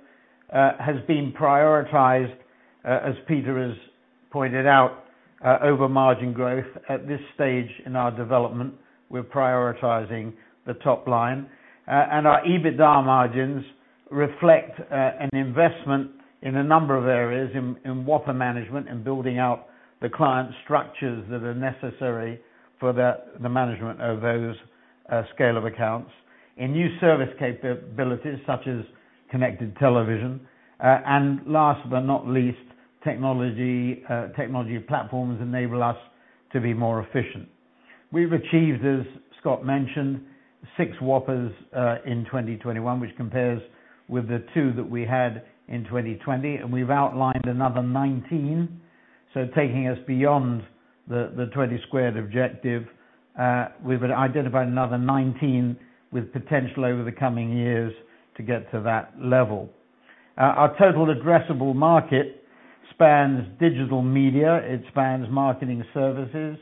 has been prioritized, as Peter has pointed out, over margin growth. At this stage in our development, we're prioritizing the top line. Our EBITDA margins reflect an investment in a number of areas, in whopper management, in building out the client structures that are necessary for the management of those scale of accounts. In new service capabilities such as connected television. Last but not least, technology platforms enable us to be more efficient. We've achieved, as Scott mentioned, six whoppers in 2021, which compares with the two that we had in 2020, and we've outlined another 19. Taking us beyond the 20 squared objective, we've identified another 19 with potential over the coming years to get to that level. Our total addressable market spans digital media, it spans Marketing Services,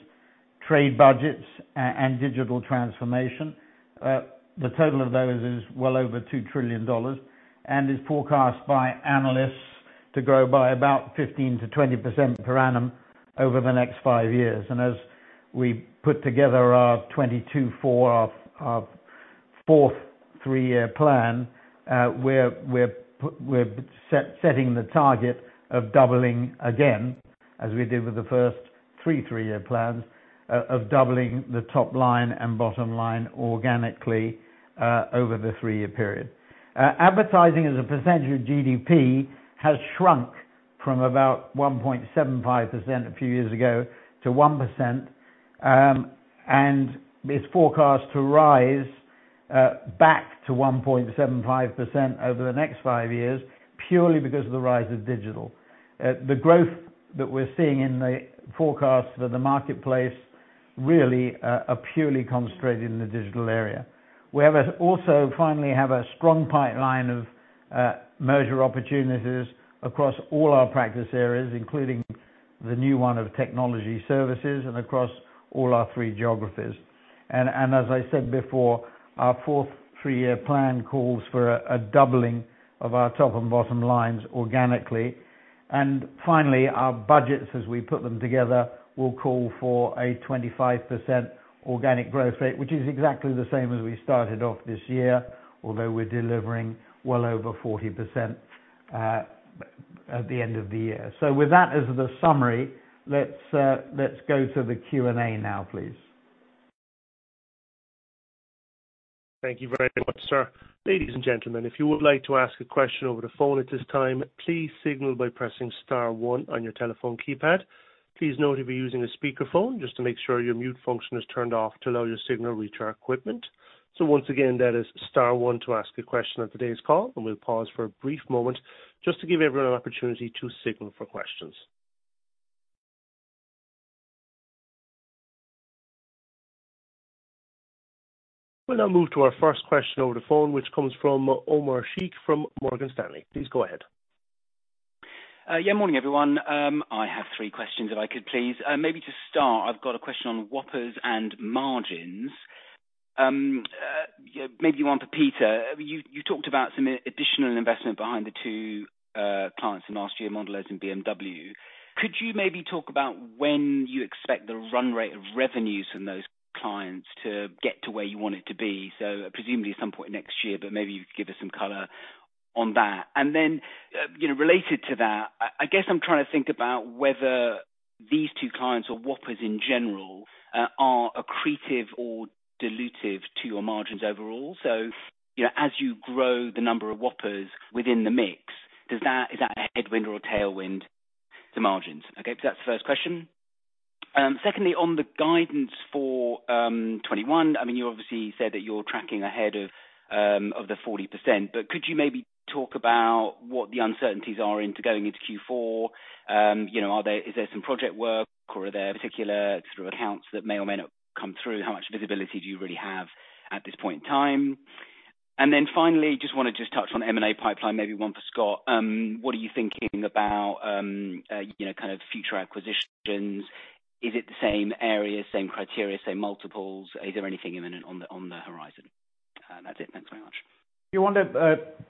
trade budgets, and digital transformation. The total of those is well over $2 trillion and is forecast by analysts to grow by about 15%-20% per annum over the next five years. As we put together our 2024, our fourth 3-year plan, we're setting the target of doubling again, as we did with the first three 3-year plans, of doubling the top line and bottom line organically, over the 3-year period. Advertising as a percentage of GDP has shrunk from about 1.75% a few years ago to 1%, and it's forecast to rise back to 1.75% over the next 5 years, purely because of the rise of digital. The growth that we're seeing in the forecast for the marketplace really are purely concentrated in the digital area. We also finally have a strong pipeline of merger opportunities across all our practice areas, including the new one of Technology Services and across all our three geographies. As I said before, our fourth 3-year plan calls for a doubling of our top and bottom lines organically. Finally, our budgets, as we put them together, will call for a 25% organic growth rate, which is exactly the same as we started off this year, although we're delivering well over 40% at the end of the year. With that as the summary, let's go to the Q&A now, please. Thank you very much, sir. Ladies and gentlemen, if you would like to ask a question over the phone at this time, please signal by pressing star one on your telephone keypad. Please note if you're using a speakerphone, just to make sure your mute function is turned off to allow your signal reach our equipment. Once again, that is star one to ask a question of today's call, and we'll pause for a brief moment just to give everyone an opportunity to signal for questions. We'll now move to our first question over the phone, which comes from Omar Sheikh from Morgan Stanley. Please go ahead. Yeah, morning, everyone. I have three questions, if I could, please. Maybe to start, I've got a question on whoppers and margins. Yeah, maybe one for Peter. You talked about some additional investment behind the two clients from last year, Mondelēz and BMW. Could you maybe talk about when you expect the run rate of revenues from those clients to get to where you want it to be? So presumably at some point next year, but maybe you could give us some color on that. You know, related to that, I guess I'm trying to think about whether these two clients or whoppers in general are accretive or dilutive to your margins overall. You know, as you grow the number of whoppers within the mix, is that a headwind or a tailwind to margins? Okay, that's the first question. Secondly, on the guidance for 2021, I mean, you obviously said that you're tracking ahead of the 40%, but could you maybe talk about what the uncertainties are into going into Q4? You know, is there some project work, or are there particular sort of accounts that may or may not come through? How much visibility do you really have at this point in time? Then finally, just wanna touch on M&A pipeline, maybe one for Scott. What are you thinking about, you know, kind of future acquisitions? Is it the same area, same criteria, same multiples? Is there anything imminent on the horizon? That's it. Thanks very much.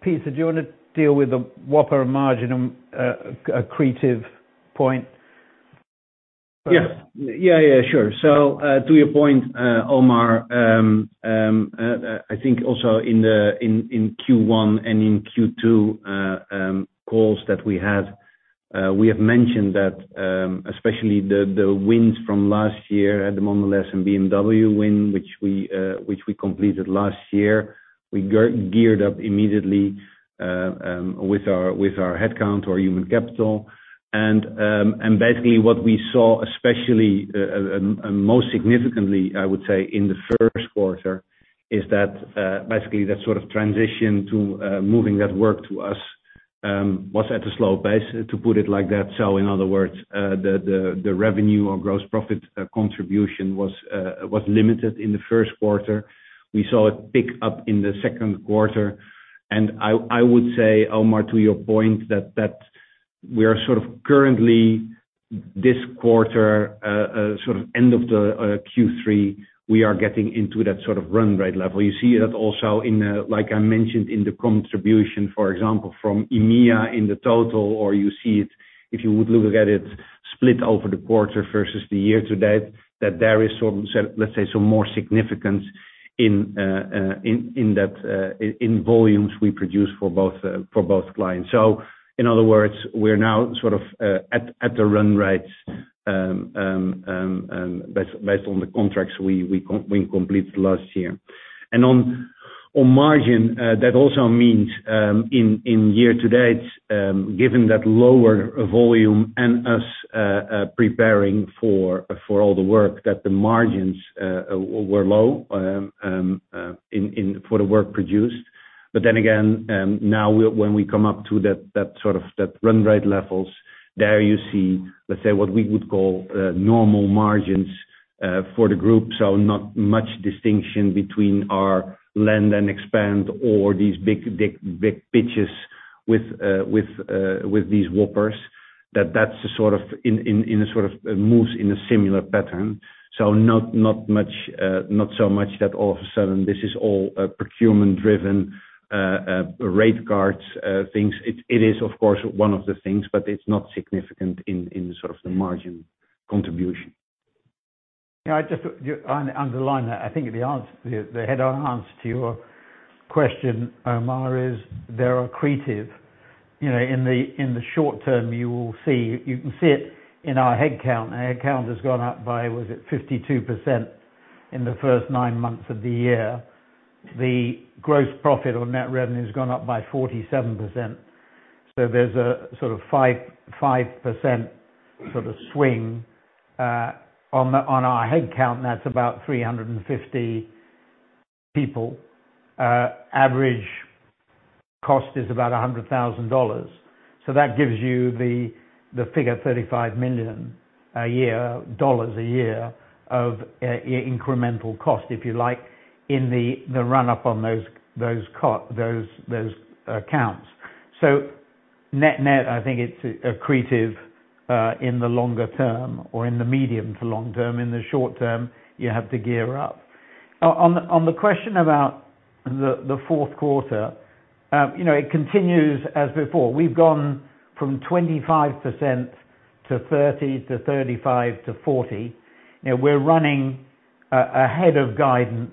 Peter, do you wanna deal with the whopper margin, accretive point? Yes. Yeah, sure. To your point, Omar, I think also in Q1 and Q2 calls that we had, we have mentioned that especially the wins from last year at the Mondelēz and BMW win, which we completed last year, we geared up immediately with our headcount or human capital. Basically, what we saw especially and most significantly, I would say, in the first quarter, is that basically that sort of transition to moving that work to us was at a slow pace, to put it like that. In other words, the revenue or gross profit contribution was limited in the first quarter. We saw it pick up in the second quarter, and I would say, Omar, to your point that we are sort of currently this quarter, sort of end of the Q3, we are getting into that sort of run rate level. You see that also in, like I mentioned, in the contribution, for example, from EMEA in the total, or you see it, if you would look at it, split over the quarter versus the year-to-date, that there is some, let's say, more significance in volumes we produce for both clients. In other words, we're now sort of at the run rates based on the contracts we completed last year. On margin, that also means in year-to-date, given that lower volume and us preparing for all the work that the margins were low in for the work produced. Now, when we come up to that sort of run rate levels, there you see, let's say what we would call normal margins for the group. Not much distinction between our land and expand or these big pitches with these whoppers, that that's the sort of moves in a similar pattern. Not so much that all of a sudden this is all procurement driven rate cards things. It is of course one of the things, but it's not significant in the sort of the margin contribution. Can I just underline that? I think the answer, the head-on answer to your question, Omar, is they're accretive. You know, in the short term, you will see. You can see it in our head count. Our head count has gone up by, was it 52% in the first nine months of the year. The gross profit on net revenue has gone up by 47%. There's a sort of 5% sort of swing on our head count, that's about 350 people. Average cost is about $100,000. That gives you the figure $35 million a year of incremental cost, if you like, in the run-up on those accounts. Net, net, I think it's accretive in the longer term or in the medium to long term. In the short term, you have to gear up. On the question about the fourth quarter, you know, it continues as before. We've gone from 25%-30%-35%-40%. You know, we're running ahead of guidance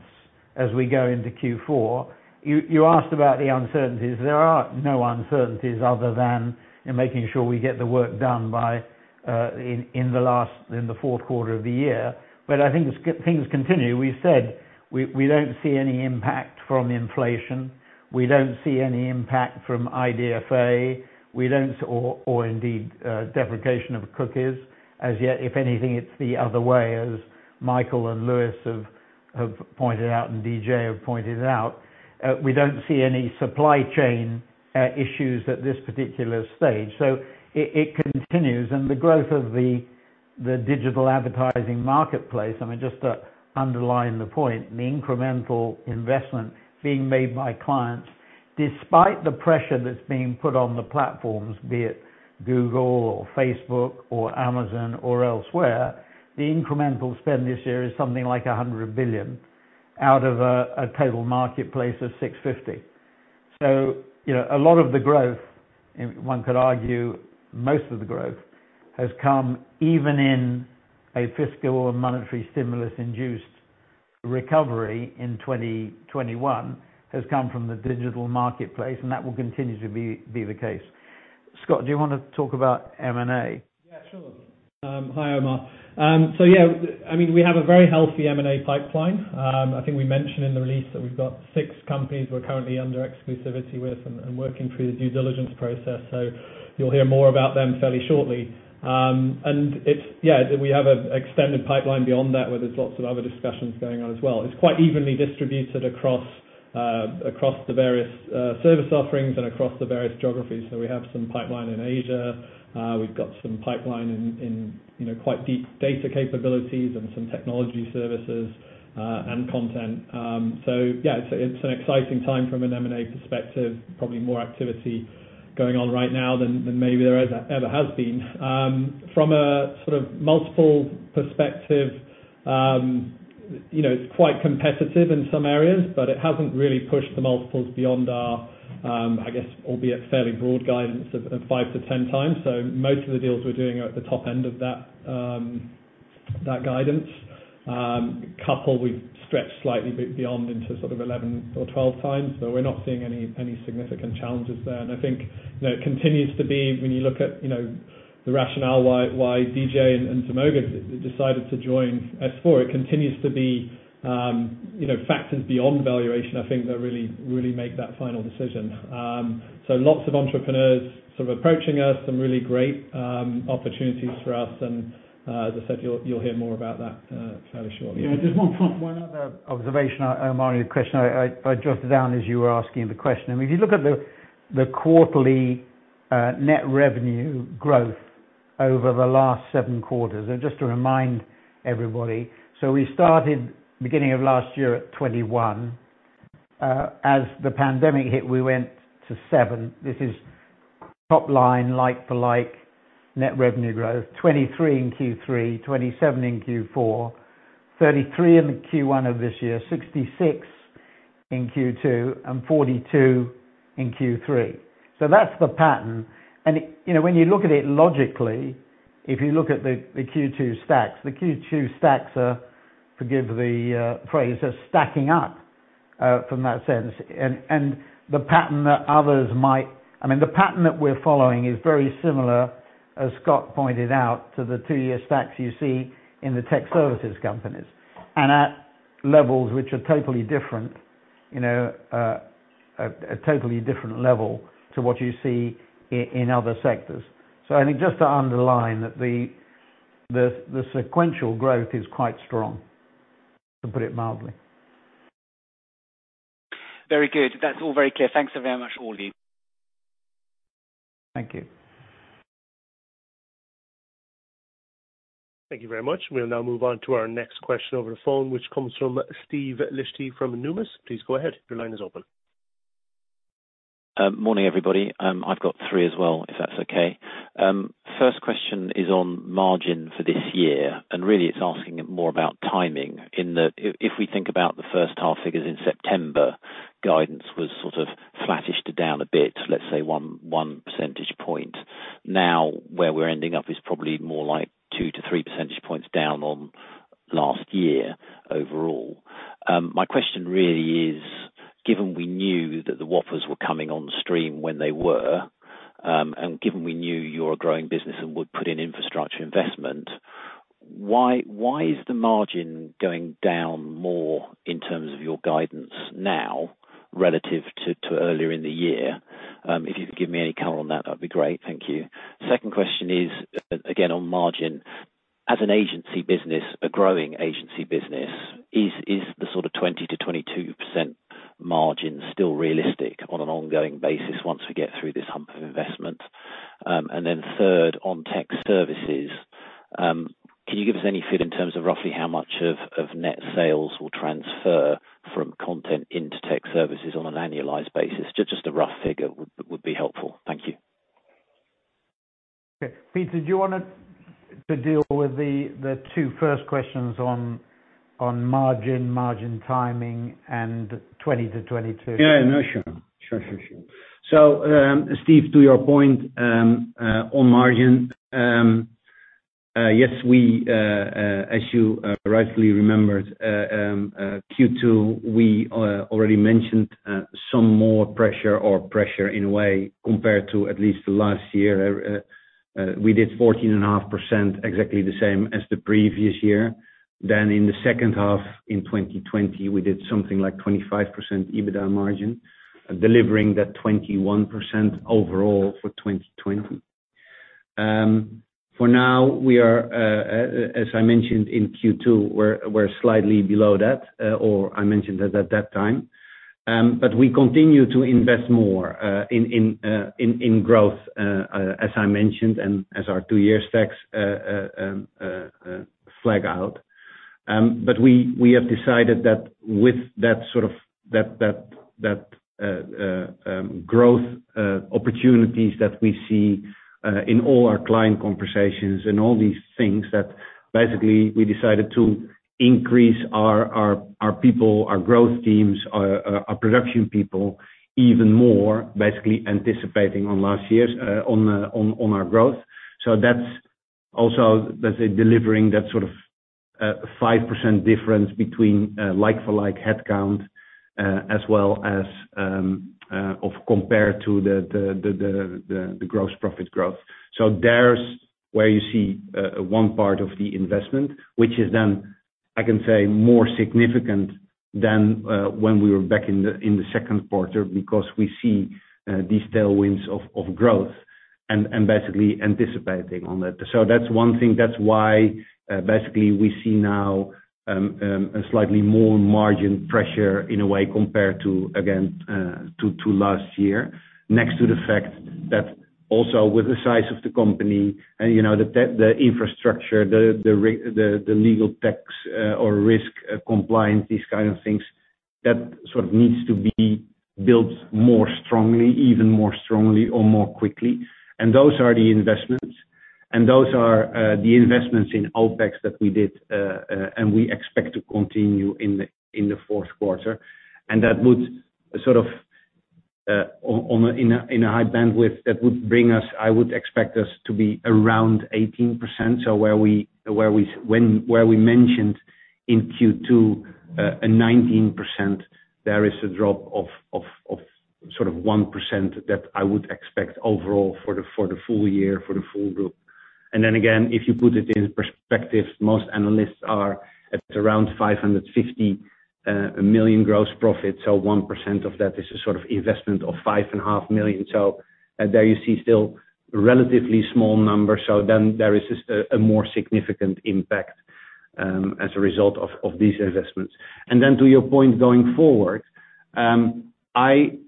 as we go into Q4. You asked about the uncertainties. There are no uncertainties other than in making sure we get the work done by in the fourth quarter of the year. I think as things continue, we've said we don't see any impact from inflation. We don't see any impact from IDFA. We don't see any impact or indeed deprecation of cookies as yet. If anything, it's the other way, as Michael and Lewis have pointed out and DJ have pointed out. We don't see any supply chain issues at this particular stage. It continues, and the growth of the digital advertising marketplace, I mean, just to underline the point, the incremental investment being made by clients, despite the pressure that's being put on the platforms, be it Google or Facebook or Amazon or elsewhere, the incremental spend this year is something like $100 billion out of a total marketplace of $650 billion. You know, a lot of the growth, and one could argue most of the growth, has come even in a fiscal or monetary stimulus-induced recovery in 2021, has come from the digital marketplace, and that will continue to be the case. Scott, do you wanna talk about M&A? Yeah, sure. Hi, Omar. Yeah, I mean, we have a very healthy M&A pipeline. I think we mentioned in the release that we've got six companies we're currently under exclusivity with and working through the due diligence process. You'll hear more about them fairly shortly. Yeah, we have an extended pipeline beyond that, where there's lots of other discussions going on as well. It's quite evenly distributed across the various Service offerings and across the various geographies. We have some pipeline in Asia. We've got some pipeline in, you know, quite deep data capabilities and some technology services, and content. Yeah, it's an exciting time from an M&A perspective. Probably more activity going on right now than maybe there has ever been. From a sort of multiples perspective, you know, it's quite competitive in some areas, but it hasn't really pushed the multiples beyond our, I guess, albeit fairly broad guidance of 5-10x. Most of the deals we're doing are at the top end of that guidance. A couple we've stretched slightly beyond into sort of 11x or 12x, but we're not seeing any significant challenges there. I think, you know, it continues to be when you look at, you know, the rationale why DJ and Zemoga decided to join S4, it continues to be, you know, factors beyond valuation, I think that really make that final decision. Lots of entrepreneurs sort of approaching us, some really great opportunities for us. As I said, you'll hear more about that, fairly shortly. Yeah, just one other observation, Omar. Your question I jotted down as you were asking the question. I mean, if you look at the quarterly net revenue growth over the last 7 quarters. Just to remind everybody, we started beginning of last year at 21%. As the pandemic hit, we went to 7%. This is top line like-for-like net revenue growth, 23% in Q3, 27% in Q4, 33% in Q1 of this year, 66% in Q2, and 42% in Q3. That's the pattern. You know, when you look at it logically, if you look at the Q2 stacks, the Q2 stacks are, forgive the phrase, stacking up from that sense. The pattern that others might-- I mean, the pattern that we're following is very similar, as Scott pointed out, to the two-year stacks you see in the tech services companies. At levels which are totally different, a totally different level to what you see in other sectors. Only just to underline that the sequential growth is quite strong, to put it mildly. Very good. That's all very clear. Thanks so very much all of you. Thank you. Thank you very much. We'll now move on to our next question over the phone, which comes from Steve Liechti from Numis. Please go ahead. Your line is open. Morning, everybody. I've got three as well, if that's okay. First question is on margin for this year, and really it's asking more about timing. If we think about the first half figures in September, guidance was sort of flattish to down a bit, let's say 1 percentage point. Now, where we're ending up is probably more like 2-3 percentage points down on last year overall. My question really is, given we knew that the whoppers were coming on stream when they were, and given we knew you're a growing business and would put in infrastructure investment, why is the margin going down more in terms of your guidance now relative to earlier in the year? If you could give me any color on that'd be great. Thank you. Second question is, again, on margin. As an agency business, a growing agency business, is the sort of 20%-22% margin still realistic on an ongoing basis once we get through this hump of investment? Third, on tech services, can you give us any feel in terms of roughly how much of net sales will transfer from content into tech services on an annualized basis? Just a rough figure would be helpful. Thank you. Okay. Peter, do you want to deal with the first two questions on margin timing and 20-22? Yeah. No, sure. Steve, to your point, on margin, yes, we, as you rightfully remembered, Q2, we already mentioned, some more pressure in a way compared to at least last year. We did 14.5%, exactly the same as the previous year. In the second half in 2020, we did something like 25% EBITDA margin, delivering that 21% overall for 2020. For now, we are, as I mentioned in Q2, we're slightly below that, or I mentioned that at that time. We continue to invest more in growth, as I mentioned, and as our two-year stacks flag out. We have decided that with that sort of growth opportunities that we see in all our client conversations and all these things that basically we decided to increase our people, our growth teams, our production people even more, basically anticipating on last year's growth. That's also, let's say, delivering that sort of 5% difference between like-for-like headcount as well as compared to the gross profit growth. There's where you see one part of the investment, which is then, I can say, more significant than when we were back in the second quarter, because we see these tailwinds of growth. Basically anticipating on that. That's one thing. That's why basically we see now a slightly more margin pressure in a way compared to last year. Next to the fact that also with the size of the company and, you know, the infrastructure, the legal tax, or risk compliance, these kind of things, that sort of needs to be built more strongly, even more strongly or more quickly. Those are the investments in OpEx that we did, and we expect to continue in the fourth quarter. That would sort of, in a high bandwidth, that would bring us, I would expect us to be around 18%. Where we mentioned in Q2 a 19%, there is a drop of sort of 1% that I would expect overall for the full year for the full group. Then again, if you put it in perspective, most analysts are at around 550 million gross profit. 1% of that is a sort of investment of 5.5 million. There you see still relatively small numbers. Then there is just a more significant impact as a result of these investments. To your point going forward,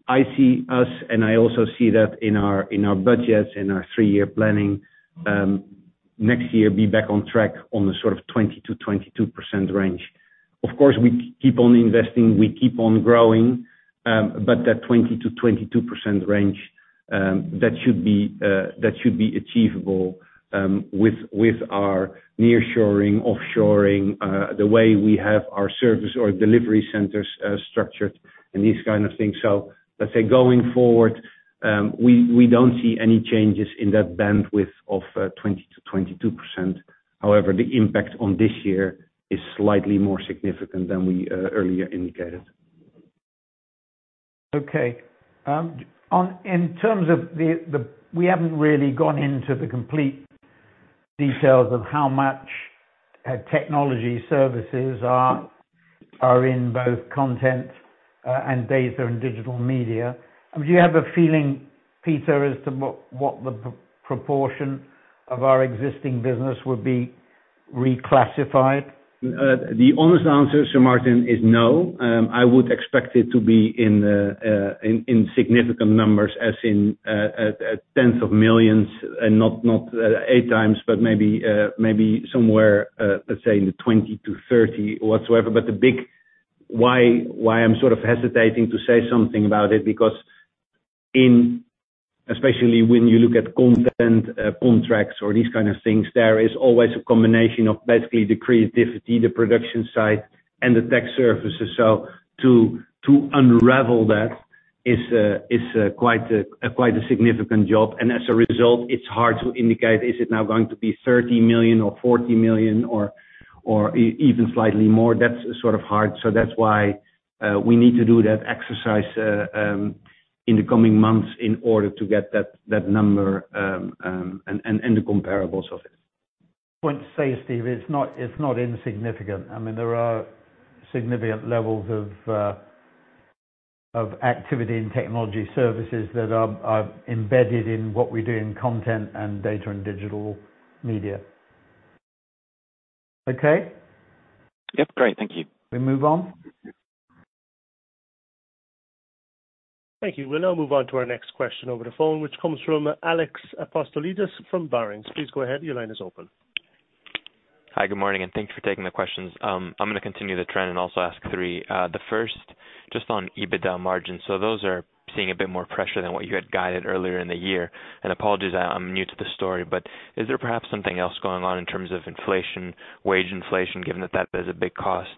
I see us and I also see that in our budgets in our three-year planning, next year be back on track on the sort of 20%-22% range. Of course, we keep on investing, we keep on growing, but that 20%-22% range, that should be achievable with our nearshoring, offshoring, the way we have our service or delivery centers structured and these kind of things. Let's say going forward, we don't see any changes in that bandwidth of 20%-22%. However, the impact on this year is slightly more significant than we earlier indicated. We haven't really gone into the complete details of how much Technology Services are in both Content and Data & Digital Media. Do you have a feeling, Peter, as to what the proportion of our existing business would be reclassified? The honest answer, Sir Martin, is no. I would expect it to be in significant numbers as in tens of millions and not 8x, but maybe somewhere, let's say in the 20-30 whatsoever. The big why I'm sort of hesitating to say something about it is because, especially when you look at content contracts or these kind of things, there is always a combination of basically the creativity, the production side and the tech services. To unravel that is quite a significant job. As a result, it's hard to indicate, is it now going to be 30 million or 40 million or even slightly more? That's sort of hard. That's why we need to do that exercise in the coming months in order to get that number and the comparables of it. Point to say, Steve, it's not insignificant. I mean, there are significant levels of activity in Technology Services that are embedded in what we do in content and Data & Digital Media. Okay? Yeah. Great. Thank you. We move on. Thank you. We'll now move on to our next question over the phone, which comes from Alex Apostolides from Barings. Please go ahead. Your line is open. Hi. Good morning, and thanks for taking the questions. I'm gonna continue the trend and also ask three. The first just on EBITDA margins. So those are seeing a bit more pressure than what you had guided earlier in the year. Apologies, I'm new to the story, but is there perhaps something else going on in terms of inflation, wage inflation, given that that is a big cost?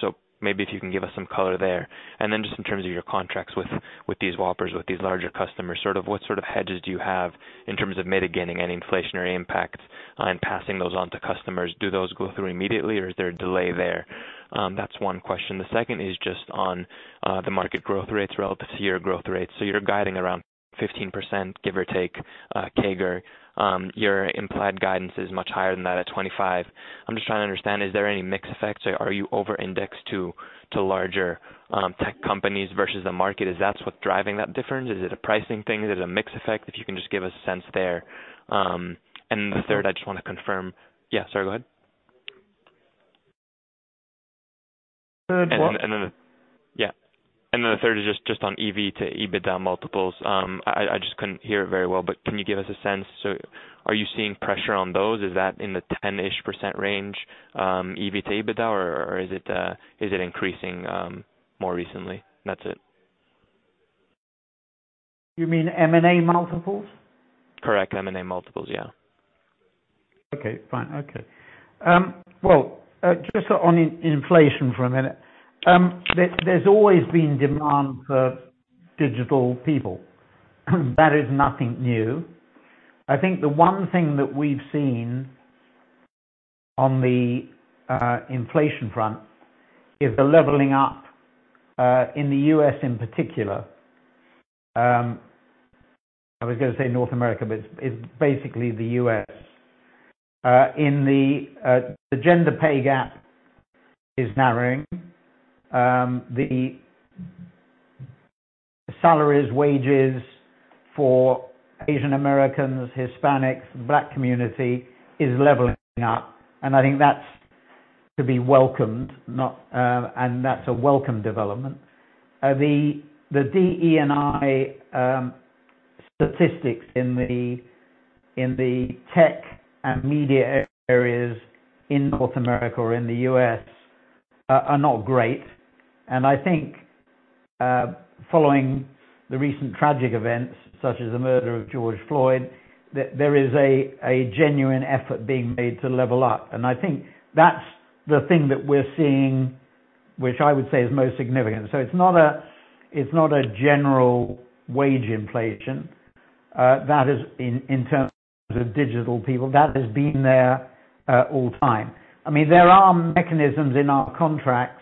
So maybe if you can give us some color there. Then just in terms of your contracts with these whoppers, these larger customers, sort of what sort of hedges do you have in terms of mitigating any inflationary impact on passing those on to customers? Do those go through immediately or is there a delay there? That's one question. The second is just on the market growth rates relative to your growth rates. You're guiding around 15%, give or take, CAGR. Your implied guidance is much higher than that at 25%. I'm just trying to understand, is there any mix effect? Are you over-indexed to larger tech companies versus the market? Is that what's driving that difference? Is it a pricing thing? Is it a mix effect? If you can just give a sense there. Then the third, I just wanna confirm. Yeah, sorry. Go ahead. What? The third is just on EV to EBITDA multiples. I just couldn't hear it very well, but can you give us a sense? Are you seeing pressure on those? Is that in the 10-ish x range, EV to EBITDA, or is it increasing more recently? That's it. You mean M&A multiples? Correct. M&A multiples, yeah. Well, just on inflation for a minute. There's always been demand for digital people. That is nothing new. I think the one thing that we've seen on the inflation front is the leveling up in the U.S. in particular. I was gonna say North America, but it's basically the U.S. in the gender pay gap is narrowing. The salaries, wages for Asian Americans, Hispanics, Black community is leveling up, and I think that's to be welcomed, and that's a welcome development. The DE&I statistics in the tech and media areas in North America or in the U.S. are not great. I think following the recent tragic events, such as the murder of George Floyd, there is a genuine effort being made to level up. I think that's the thing that we're seeing, which I would say is most significant. It's not a general wage inflation that is in terms of digital people. That has been there all the time. I mean, there are mechanisms in our contracts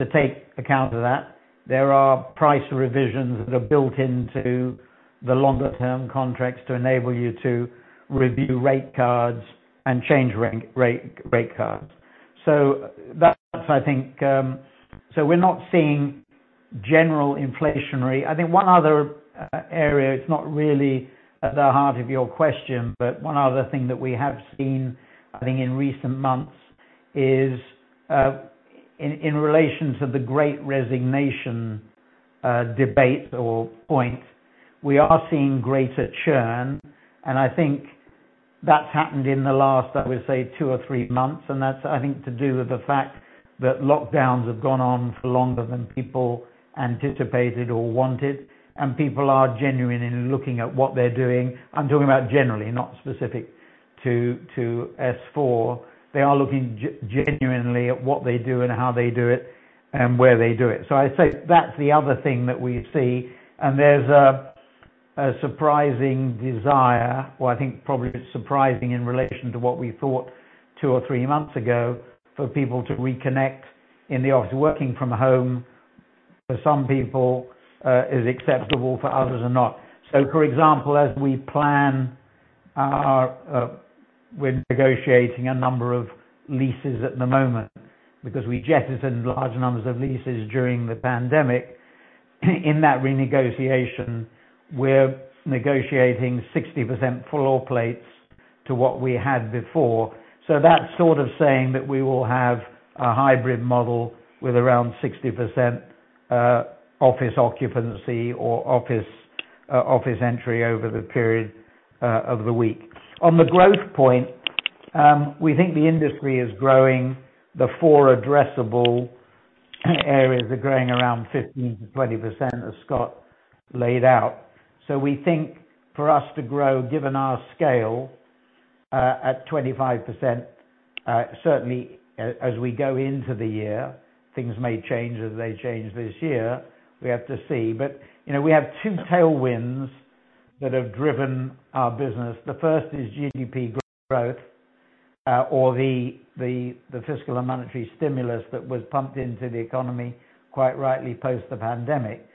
to take account of that. There are price revisions that are built into the longer-term contracts to enable you to review rate cards and change run-rate rate cards. That's, I think, we're not seeing general inflation. I think one other area, it's not really at the heart of your question, but one other thing that we have seen, I think, in recent months is in relation to the Great Resignation debate or point, we are seeing greater churn, and I think that's happened in the last, I would say, two or three months. That's, I think, to do with the fact that lockdowns have gone on for longer than people anticipated or wanted, and people are genuinely looking at what they're doing. I'm talking about generally, not specific to S4. They are looking genuinely at what they do and how they do it and where they do it. I'd say that's the other thing that we see, and there's a surprising desire, or I think probably surprising in relation to what we thought two or three months ago, for people to reconnect in the office. Working from home for some people is acceptable, for others are not. For example, we're negotiating a number of leases at the moment because we jettisoned large numbers of leases during the pandemic. In that renegotiation, we're negotiating 60% floor plates to what we had before. That's sort of saying that we will have a hybrid model with around 60% office occupancy or office entry over the period of the week. On the growth point, we think the industry is growing. The four addressable areas are growing around 15%-20% as Scott laid out. We think for us to grow, given our scale, at 25%, certainly as we go into the year, things may change as they change this year, we have to see. You know, we have two tailwinds that have driven our business. The first is GDP growth, or the fiscal and monetary stimulus that was pumped into the economy, quite rightly post the pandemic.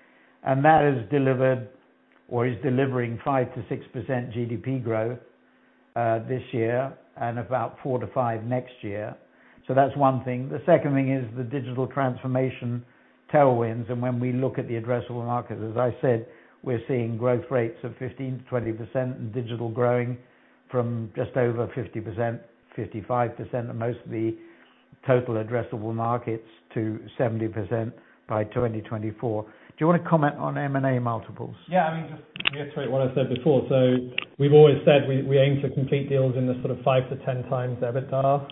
That has delivered or is delivering 5%-6% GDP growth this year and about 4%-5% next year. That's one thing. The second thing is the digital transformation tailwinds. When we look at the addressable markets, as I said, we're seeing growth rates of 15%-20% and digital growing from just over 50%, 55% of most of the total addressable markets to 70% by 2024. Do you wanna comment on M&A multiples? Yeah, I mean, just reiterate what I said before. We've always said we aim to complete deals in the sort of 5-10x EBITDA,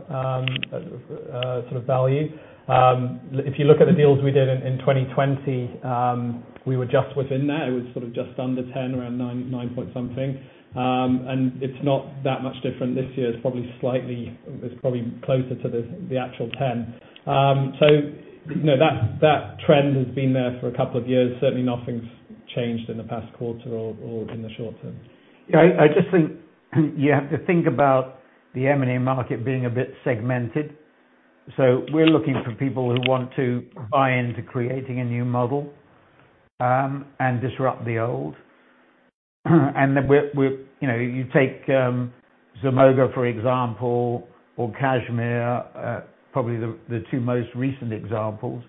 sort of value. If you look at the deals we did in 2020, we were just within that. It was sort of just under 10, around 9-point-something. It's not that much different this year. It's probably closer to the actual 10. You know, that trend has been there for a couple of years. Certainly, nothing's changed in the past quarter or in the short term. Yeah, I just think you have to think about the M&A market being a bit segmented. We're looking for people who want to buy into creating a new model, and disrupt the old. You know, you take Zemoga, for example, or Cashmere, probably the two most recent examples,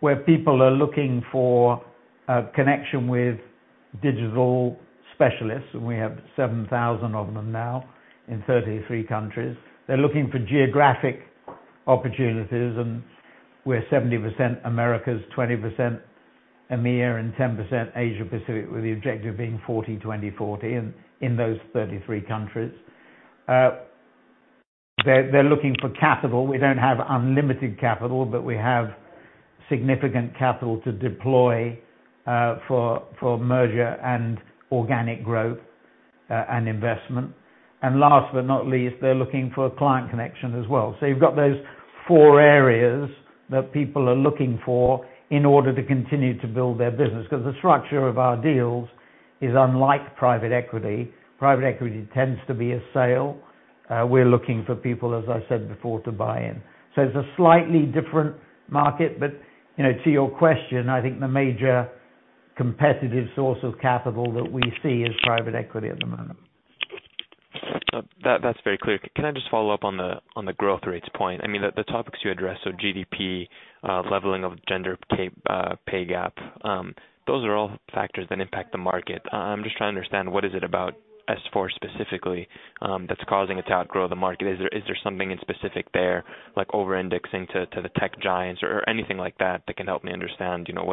where people are looking for a connection with digital specialists, and we have 7,000 of them now in 33 countries. They're looking for geographic opportunities, and we're 70% Americas, 20% EMEA, and 10% Asia-Pacific, with the objective being 40/20/40 in those 33 countries. They're looking for capital. We don't have unlimited capital, but we have significant capital to deploy, for merger and organic growth, and investment. Last but not least, they're looking for a client connection as well. You've got those four areas that people are looking for in order to continue to build their business. 'Cause the structure of our deals is unlike private equity. Private equity tends to be a sale. We're looking for people, as I said before, to buy in. It's a slightly different market. You know, to your question, I think the major competitive source of capital that we see is private equity at the moment. That's very clear. Can I just follow up on the growth rates point? I mean, the topics you addressed are GDP, leveling of gender pay gap. Those are all factors that impact the market. I'm just trying to understand what is it about S4 specifically that's causing it to outgrow the market? Is there something in specific there like over-indexing to the tech giants or anything like that that can help me understand, you know,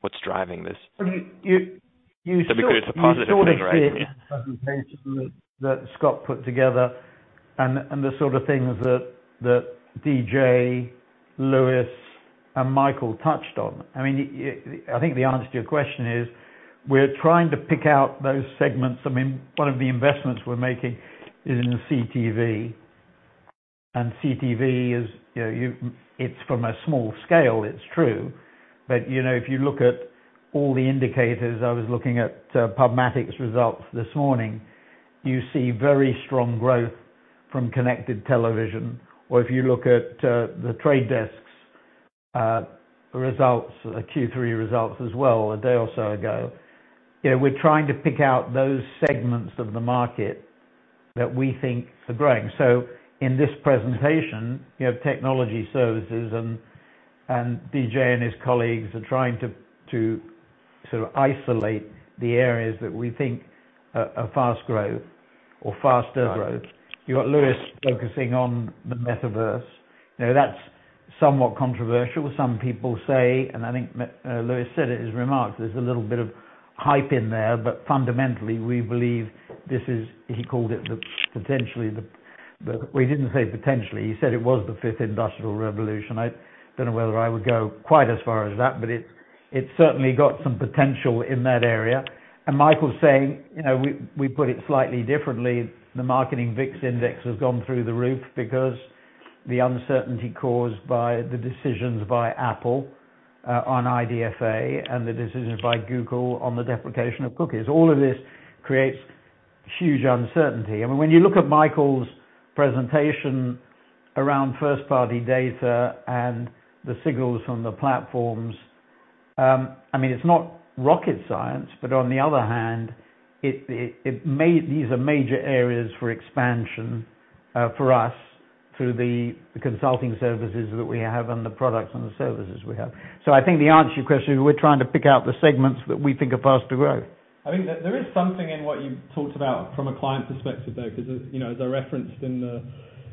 what's driving this? I mean, you sort-- It'd be good. It's a positive thing, right? Yeah. You sort of see it in the presentation that Scott put together and the sort of things that DJ, Lewis, and Michael touched on. I mean, I think the answer to your question is we're trying to pick out those segments. I mean, one of the investments we're making is in CTV, and CTV is, you know, It's from a small scale, it's true. You know, if you look at all the indicators I was looking at, PubMatic's results this morning, you see very strong growth from connected television. If you look at The Trade Desk results, the Q3 results as well, a day or so ago. You know, we're trying to pick out those segments of the market that we think are growing. In this presentation, you have Technology Services and DJ and his colleagues are trying to sort of isolate the areas that we think are fast growth or faster growth. You've got Lewis focusing on the metaverse. You know, that's somewhat controversial. Some people say, and I think Lewis said it in his remarks, there's a little bit of hype in there, but fundamentally, we believe this is. He called it the fifth industrial revolution. I don't know whether I would go quite as far as that, but it's certainly got some potential in that area. Michael's saying, you know, we put it slightly differently. The marketing VIX index has gone through the roof because the uncertainty caused by the decisions by Apple on IDFA and the decisions by Google on the deprecation of cookies. All of this creates huge uncertainty. I mean, when you look at Michael's presentation around first-party data and the signals from the platforms, I mean, it's not rocket science, but on the other hand, these are major areas for expansion for us through the consulting services that we have and the products and the services we have. So I think the answer to your question is we're trying to pick out the segments that we think are faster growth. I think there is something in what you talked about from a client perspective, though, 'cause, you know, as I referenced in the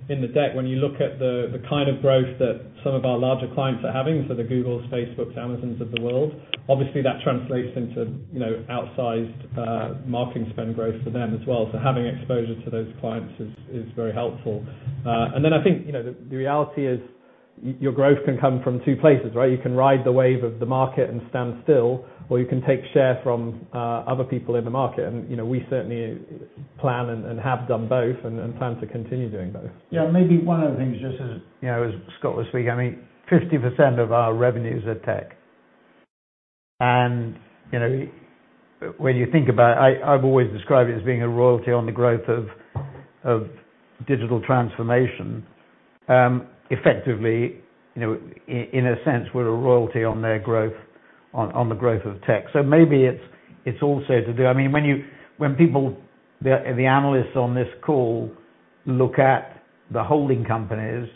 deck, when you look at the kind of growth that some of our larger clients are having, so the Googles, Facebooks, Amazons of the world, obviously that translates into, you know, outsized marketing spend growth for them as well. Having exposure to those clients is very helpful. I think, you know, the reality is your growth can come from two places, right? You can ride the wave of the market and stand still, or you can take share from other people in the market. You know, we certainly plan and have done both and plan to continue doing both. Yeah. Maybe one of the things just as, you know, as Scott was speaking, I mean, 50% of our revenues are tech. You know, when you think about it, I've always described it as being a royalty on the growth of digital transformation. Effectively, you know, in a sense, we're a royalty on their growth, on the growth of tech. Maybe it's also to do. I mean, when you--when people, the analysts on this call look at the holding companies,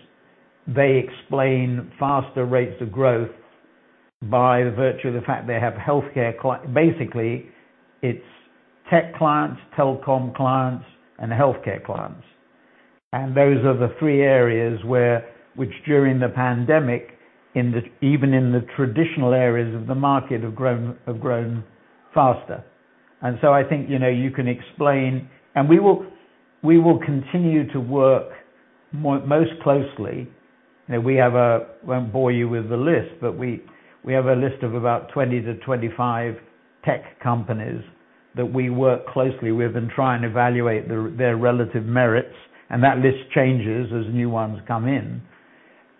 they explain faster rates of growth by virtue of the fact they have healthcare clients. Basically, it's tech clients, telecom clients and healthcare clients. Those are the three areas where which during the pandemic, even in the traditional areas of the market have grown faster. I think, you know, you can explain. We will continue to work most closely. You know, we have a list of about 20-25 tech companies that we work closely with and try and evaluate their relative merits, and that list changes as new ones come in.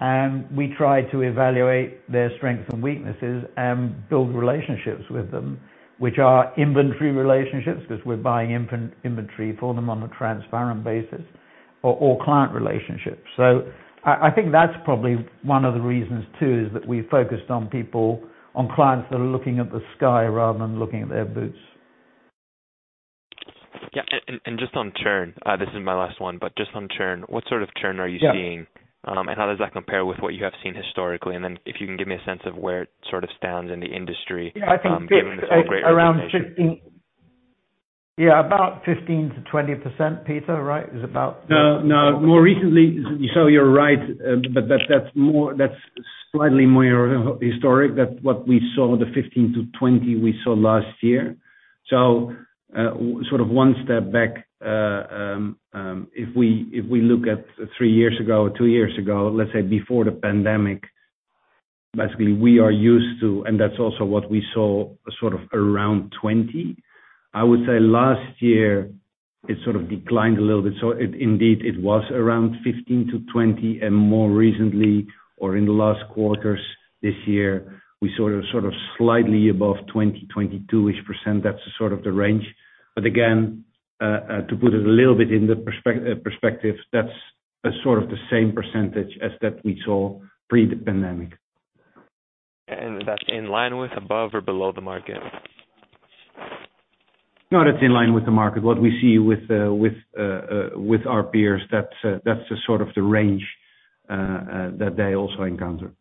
We try to evaluate their strengths and weaknesses and build relationships with them, which are inventory relationships 'cause we're buying inventory for them on a transparent basis or client relationships. I think that's probably one of the reasons, too, is that we focused on people, on clients that are looking at the sky rather than looking at their boots. Just on churn, this is my last one, but just on churn, what sort of churn are you seeing? Yeah. How does that compare with what you have seen historically? Then if you can give me a sense of where it sort of stands in the industry? Yeah, I think it's. Given the sort of great representation. Yeah, about 15%-20%, Peter, right? Is about-- No, no. More recently, you're right, but that's more, that's slightly more historic. That's what we saw, the 15%-20% we saw last year. Sort of one step back, if we look at three years ago, two years ago, let's say before the pandemic, basically we are used to, and that's also what we saw sort of around 20%. I would say last year it sort of declined a little bit. It indeed was around 15%-20%, and more recently, or in the last quarters this year, we saw it sort of slightly above 20, 22-ish%. That's sort of the range. Again, to put a little bit into perspective, that's sort of the same percentage as that we saw pre the pandemic. That's in line with above or below the market? No, that's in line with the market. What we see with our peers, that's the sort of range that they also encounter.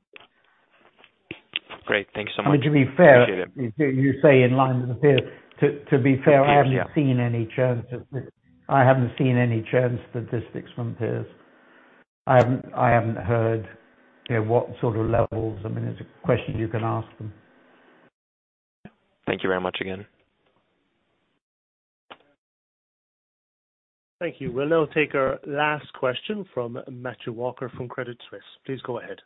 Great. Thanks so much. To be fair. Appreciate it. You say in line with the peers. To be fair. Peers, yeah. I haven't seen any churn statistics. I haven't seen any churn statistics from peers. I haven't heard, you know, what sort of levels. I mean, it's a question you can ask them. Thank you very much again. Thank you. We'll now take our last question from Matthew Walker from Credit Suisse. Please go ahead.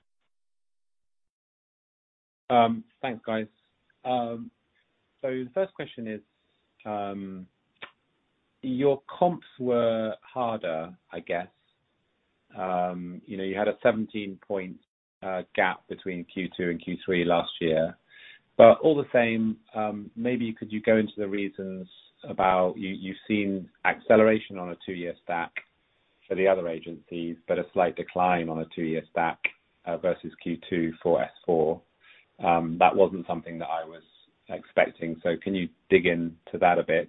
Thanks, guys. The first question is, your comps were harder, I guess. You know, you had a 17-point gap between Q2 and Q3 last year. All the same, maybe could you go into the reasons about you've seen acceleration on a two-year stack for the other agencies, but a slight decline on a two-year stack versus Q2 for S4. That wasn't something that I was expecting, so can you dig into that a bit?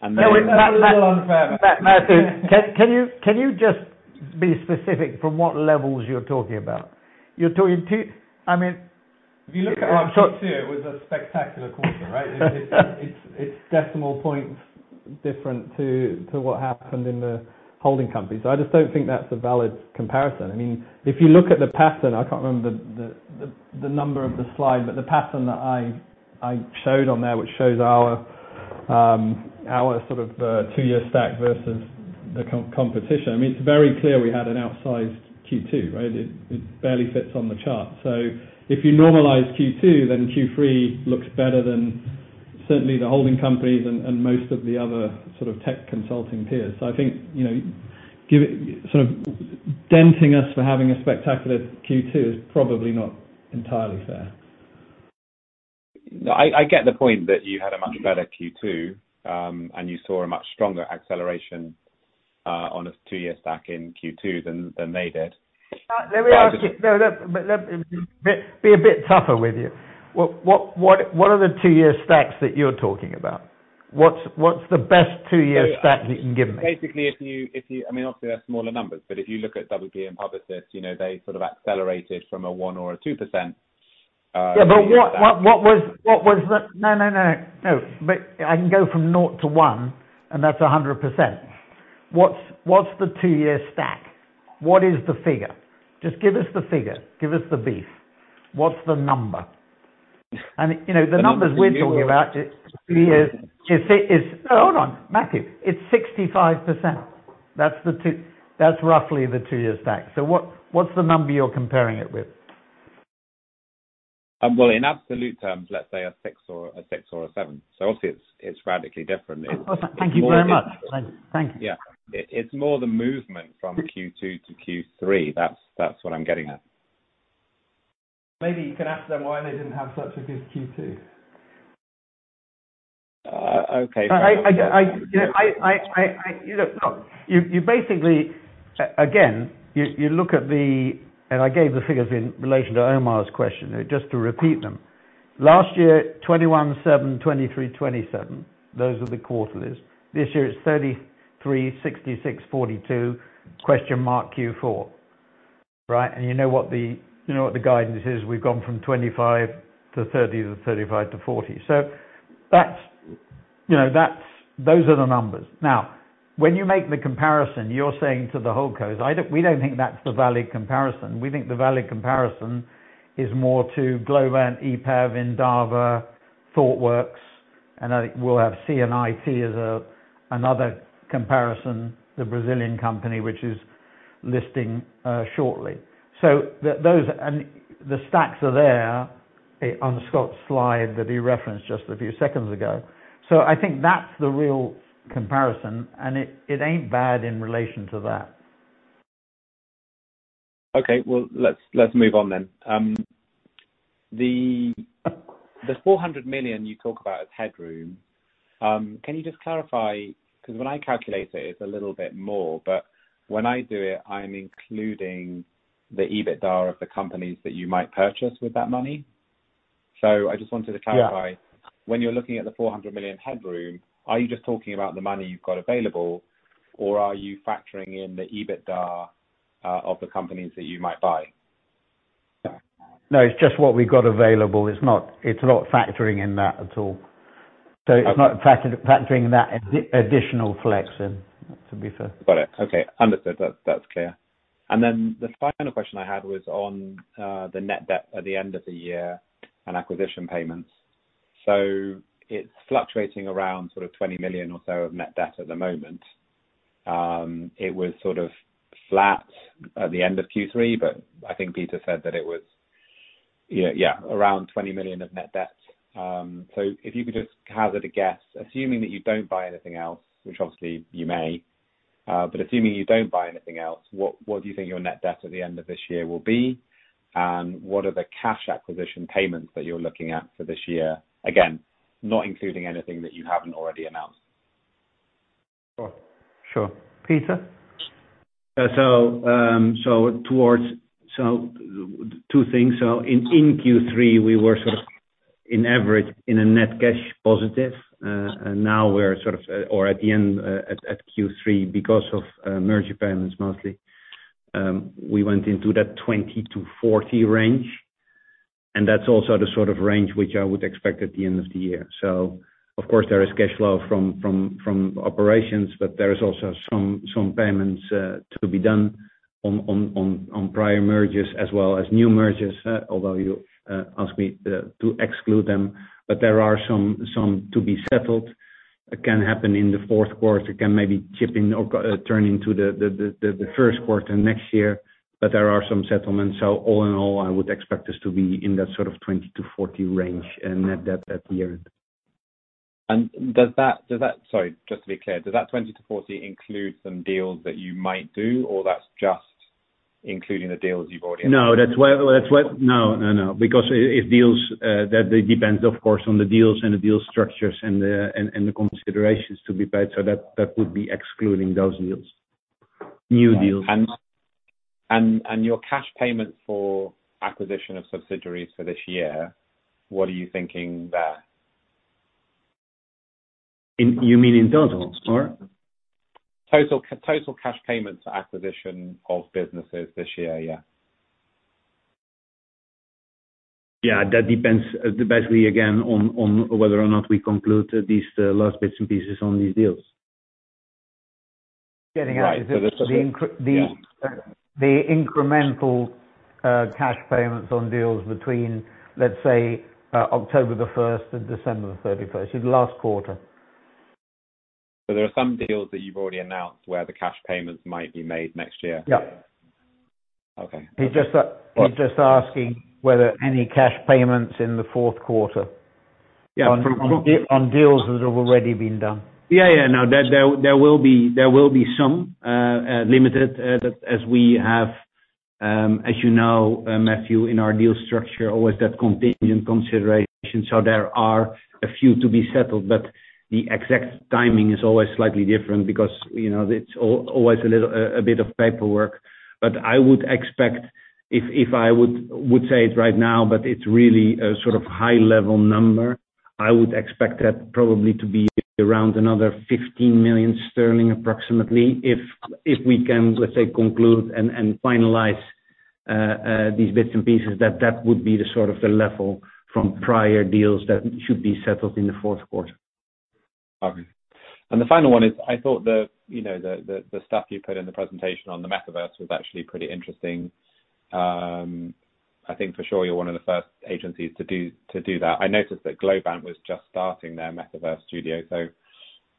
Then-- No. Matt. That was a little unfair. Matthew, can you just be specific from what levels you're talking about? You're talking two, I mean If you look at-- Our Q2, it was a spectacular quarter, right? It's decimal points different to what happened in the holding company. I just don't think that's a valid comparison. I mean, if you look at the pattern, I can't remember the number of the slide, but the pattern that I showed on there, which shows our sort of two-year stack versus the competition. I mean, it's very clear we had an outsized Q2, right? It barely fits on the chart. If you normalize Q2, then Q3 looks better than, certainly, the holding companies and most of the other sort of tech consulting peers. I think, you know, giving sort of denting us for having a spectacular Q2 is probably not entirely fair. No, I get the point that you had a much better Q2, and you saw a much stronger acceleration on a two-year stack in Q2 than they did. Let me ask you. No, look, but let me be a bit tougher with you. What are the two-year stacks that you're talking about? What's the best two-year stack you can give me? Basically, if you I mean, obviously, they're smaller numbers, but if you look at WPP and Publicis, you know, they sort of accelerated from a 1% or a 2%, two years back. Yeah, but what was the? No. But I can go from nought to one, and that's 100%. What's the two-year stack? What is the figure? Just give us the figure. Give us the beef. What's the number? You know, the numbers we're talking about two years is. Hold on, Matthew. It's 65%. That's roughly the two-year stack. So what's the number you're comparing it with? Well, in absolute terms, let's say a six or a seven. Obviously, it's radically different. It's more-- Thank you very much. Thank you. Yeah. It's more the movement from Q2 to Q3. That's what I'm getting at. Maybe you can ask them why they didn't have such a good Q2. Okay. You know, look, you basically, again, you look at the. I gave the figures in relation to Omar's question, just to repeat them. Last year, 21.7%, 23%, 27%. Those were the quarterlies. This year it's 33%, 66%, 42%, question mark Q4. Right? You know what the guidance is. We've gone from 25%-30%-35%-40%. So that's, you know, that's. Those are the numbers. Now, when you make the comparison, you're saying to the whole comps. We don't think that's the valid comparison. We think the valid comparison is more to Globant, EPAM, Endava, Thoughtworks, and I think we'll have CI&T as another comparison, the Brazilian company, which is listing shortly. Those and the stacks are there, on Scott's slide that he referenced just a few seconds ago. I think that's the real comparison, and it ain't bad in relation to that. Okay. Well, let's move on then. The 400 million you talk about as headroom, can you just clarify? 'Cause when I calculate it's a little bit more, but when I do it, I'm including the EBITDA of the companies that you might purchase with that money. I just wanted to clarify. Yeah. When you're looking at the 400 million headroom, are you just talking about the money you've got available, or are you factoring in the EBITDA of the companies that you might buy? No, it's just what we've got available. It's not factoring in that at all. It's not factoring that additional flex in, to be fair. Got it. Okay. Understood. That's clear. The final question I had was on the net debt at the end of the year and acquisition payments. It's fluctuating around sort of 20 million or so of net debt at the moment. It was sort of flat at the end of Q3, but I think Peter said that it was yeah around 20 million of net debt. If you could just hazard a guess, assuming that you don't buy anything else, which obviously you may, but assuming you don't buy anything else, what do you think your net debt at the end of this year will be? What are the cash acquisition payments that you're looking at for this year? Again, not including anything that you haven't already announced. Oh, sure. Peter? Two things. In Q3, we were sort of on average net cash positive. Now we're sort of at the end of Q3, because of merger payments mostly, we went into that 20-40 range, and that's also the sort of range which I would expect at the end of the year. Of course there is cash flow from operations, but there is also some payments to be done on prior mergers as well as new mergers. Although you ask me to exclude them, but there are some to be settled. It can happen in the fourth quarter. It can maybe chip in or turn into the first quarter next year. There are some settlements. All in all, I would expect this to be in that sort of 20-40 range and net debt at the end. Does that 20-40 include some deals that you might do or that's just including the deals you've already No, that's what. No, no. Because if deals, that depends of course, on the deals and the deal structures and the considerations to be paid. So that would be excluding those deals, new deals. Your cash payments for acquisition of subsidiaries for this year, what are you thinking there? You mean in total or? Total cash payments, acquisition of businesses this year. Yeah. Yeah, that depends basically again on whether or not we conclude these last bits and pieces on these deals. Getting at is the incremental-- Right. This was it. Yeah. The incremental cash payments on deals between let's say, October the first and December the thirty-first. The last quarter. There are some deals that you've already announced where the cash payments might be made next year? Yeah. Okay. He's just asking whether any cash payments in the fourth quarter. Yeah. On deals that have already been done. Yeah. No. There will be some limited, as we have, as you know, Matthew, in our deal structure, always that contingent consideration. There are a few to be settled, but the exact timing is always slightly different because, you know, it's always a little bit of paperwork. I would expect if I would say it right now, but it's really a sort of high level number. I would expect that probably to be around another 15 million sterling approximately. If we can, let's say, conclude and finalize these bits and pieces, that would be the sort of level from prior deals that should be settled in the fourth quarter. The final one is I thought, you know, the stuff you put in the presentation on the metaverse was actually pretty interesting. I think for sure you're one of the first agencies to do that. I noticed that Globant was just starting their metaverse studio.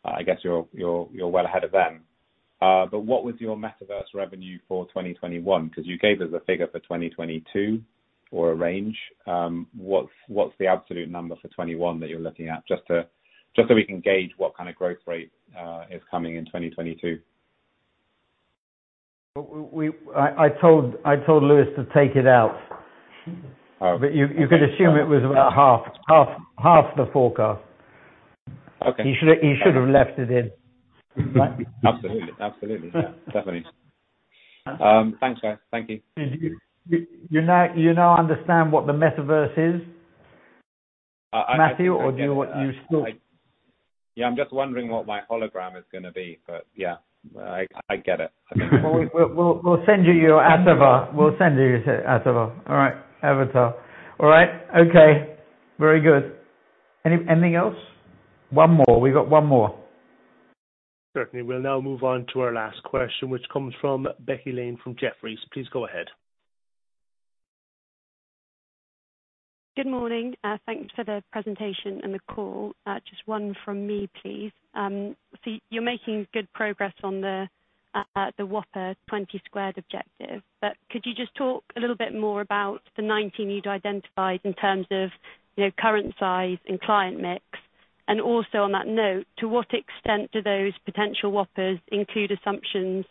I guess you're well ahead of them. But what was your metaverse revenue for 2021? 'Cause you gave us a figure for 2022 or a range. What's the absolute number for 2021 that you're looking at? Just so we can gauge what kind of growth rate is coming in 2022. I told Lewis to take it out. Oh, okay. You could assume it was about half the forecast. He should have left it in. Absolutely. Yeah, definitely. Thanks guys. Thank you. You now understand what the metaverse is, Matthew? I think I get that. Or do you want-- you still- Yeah, I'm just wondering what my hologram is gonna be, but yeah. I get it. We'll send you your avatar. We'll send you your avatar. All right. Avatar. All right? Okay. Very good. Anything else? One more. We've got one more. Certainly. We'll now move on to our last question, which comes from Becky Lane from Jefferies. Please go ahead. Good morning. Thanks for the presentation and the call. Just one from me, please. You're making good progress on the whopper 20 squared objective, but could you just talk a little bit more about the 19 you'd identified in terms of, you know, current size and client mix? Also on that note, to what extent do those potential whoppers include assumptions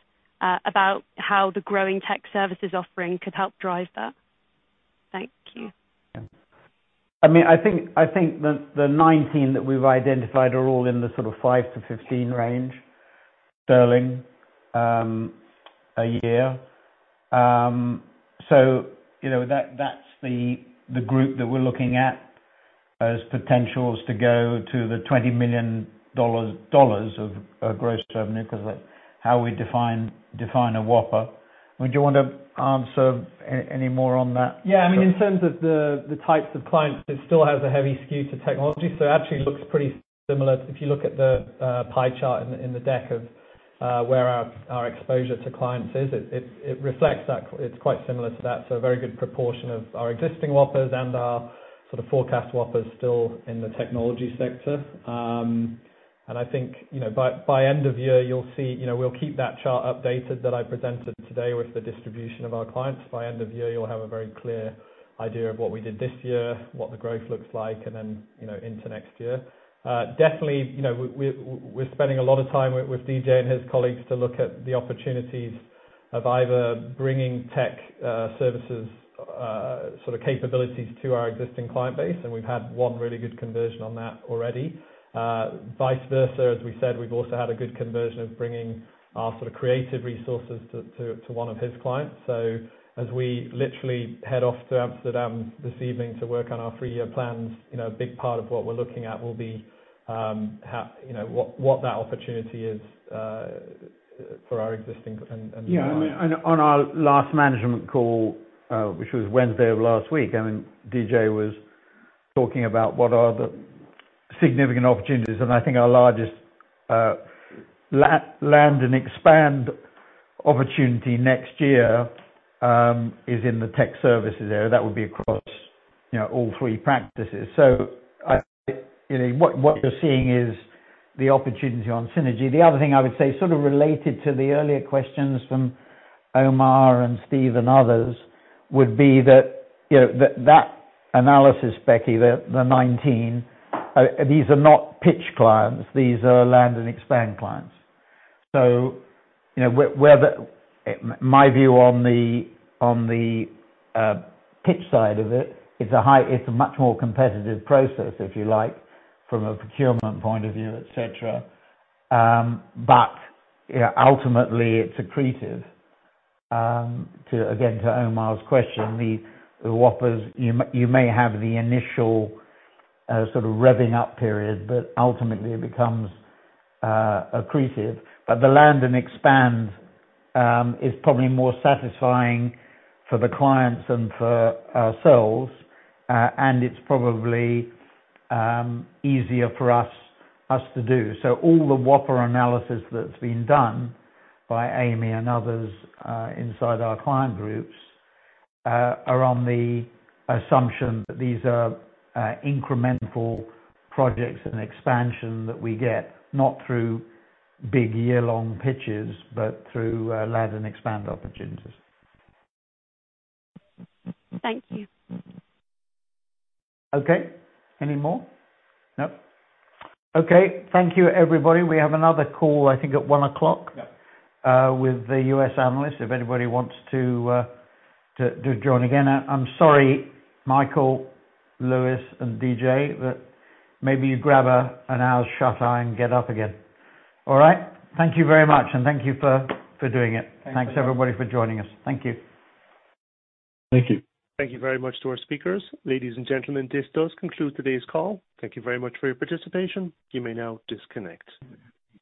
about how the growing tech services offering could help drive that? Thank you. I mean, I think the 19 that we've identified are all in the sort of 5-15 range GBP a year. You know, that's the group that we're looking at as potentials to go to the $20 million of gross revenue 'cause that's how we define a Whopper. I mean, do you want to answer any more on that? Yeah. I mean, in terms of the types of clients, it still has a heavy skew to technology, so it actually looks pretty similar. If you look at the pie chart in the deck of where our exposure to clients is, it reflects that. It's quite similar to that. A very good proportion of our existing whoppers and our sort of forecast whoppers still in the technology sector. I think, you know, by end of year you'll see, you know, we'll keep that chart updated that I presented today with the distribution of our clients. By end of year, you'll have a very clear idea of what we did this year, what the growth looks like, and then, you know, into next year. Definitely, you know, we're spending a lot of time with DJ and his colleagues to look at the opportunities. Of either bringing tech services sort of capabilities to our existing client base, and we've had one really good conversion on that already. Vice versa, as we said, we've also had a good conversion of bringing our sort of creative resources to one of his clients. As we literally head off to Amsterdam this evening to work on our three-year plans, you know, a big part of what we're looking at will be, you know, what that opportunity is for our existing and new clients. Yeah. I mean, on our last management call, which was Wednesday of last week, I mean, DJ was talking about what are the significant opportunities, and I think our largest land and expand opportunity next year is in the tech services area. That would be across, you know, all three practices. You know, what you're seeing is the opportunity on synergy. The other thing I would say sort of related to the earlier questions from Omar and Steve and others would be that, you know, that analysis, Becky, the 19 these are not pitch clients. These are land and expand clients. You know, whether my view on the pitch side of it's a much more competitive process, if you like, from a procurement point of view, et cetera. You know, ultimately, it's accretive. To again to Omar's question, the whoppers, you may have the initial sort of revving up period that ultimately becomes accretive. The land and expand is probably more satisfying for the clients and for ourselves, and it's probably easier for us to do. All the whopper analysis that's been done by Amy and others inside our client groups are on the assumption that these are incremental projects and expansion that we get, not through big year-long pitches, but through land and expand opportunities. Thank you. Okay. Any more? No. Okay. Thank you, everybody. We have another call, I think, at 1:00 P.M. Yeah with the U.S. analysts, if anybody wants to join again. I'm sorry, Michael, Lewis, and DJ, but maybe you grab an hour's shuteye and get up again. All right? Thank you very much, and thank you for doing it. Thanks, everyone. Thanks, everybody, for joining us. Thank you. Thank you. Thank you very much to our speakers. Ladies and gentlemen, this does conclude today's call. Thank you very much for your participation. You may now disconnect.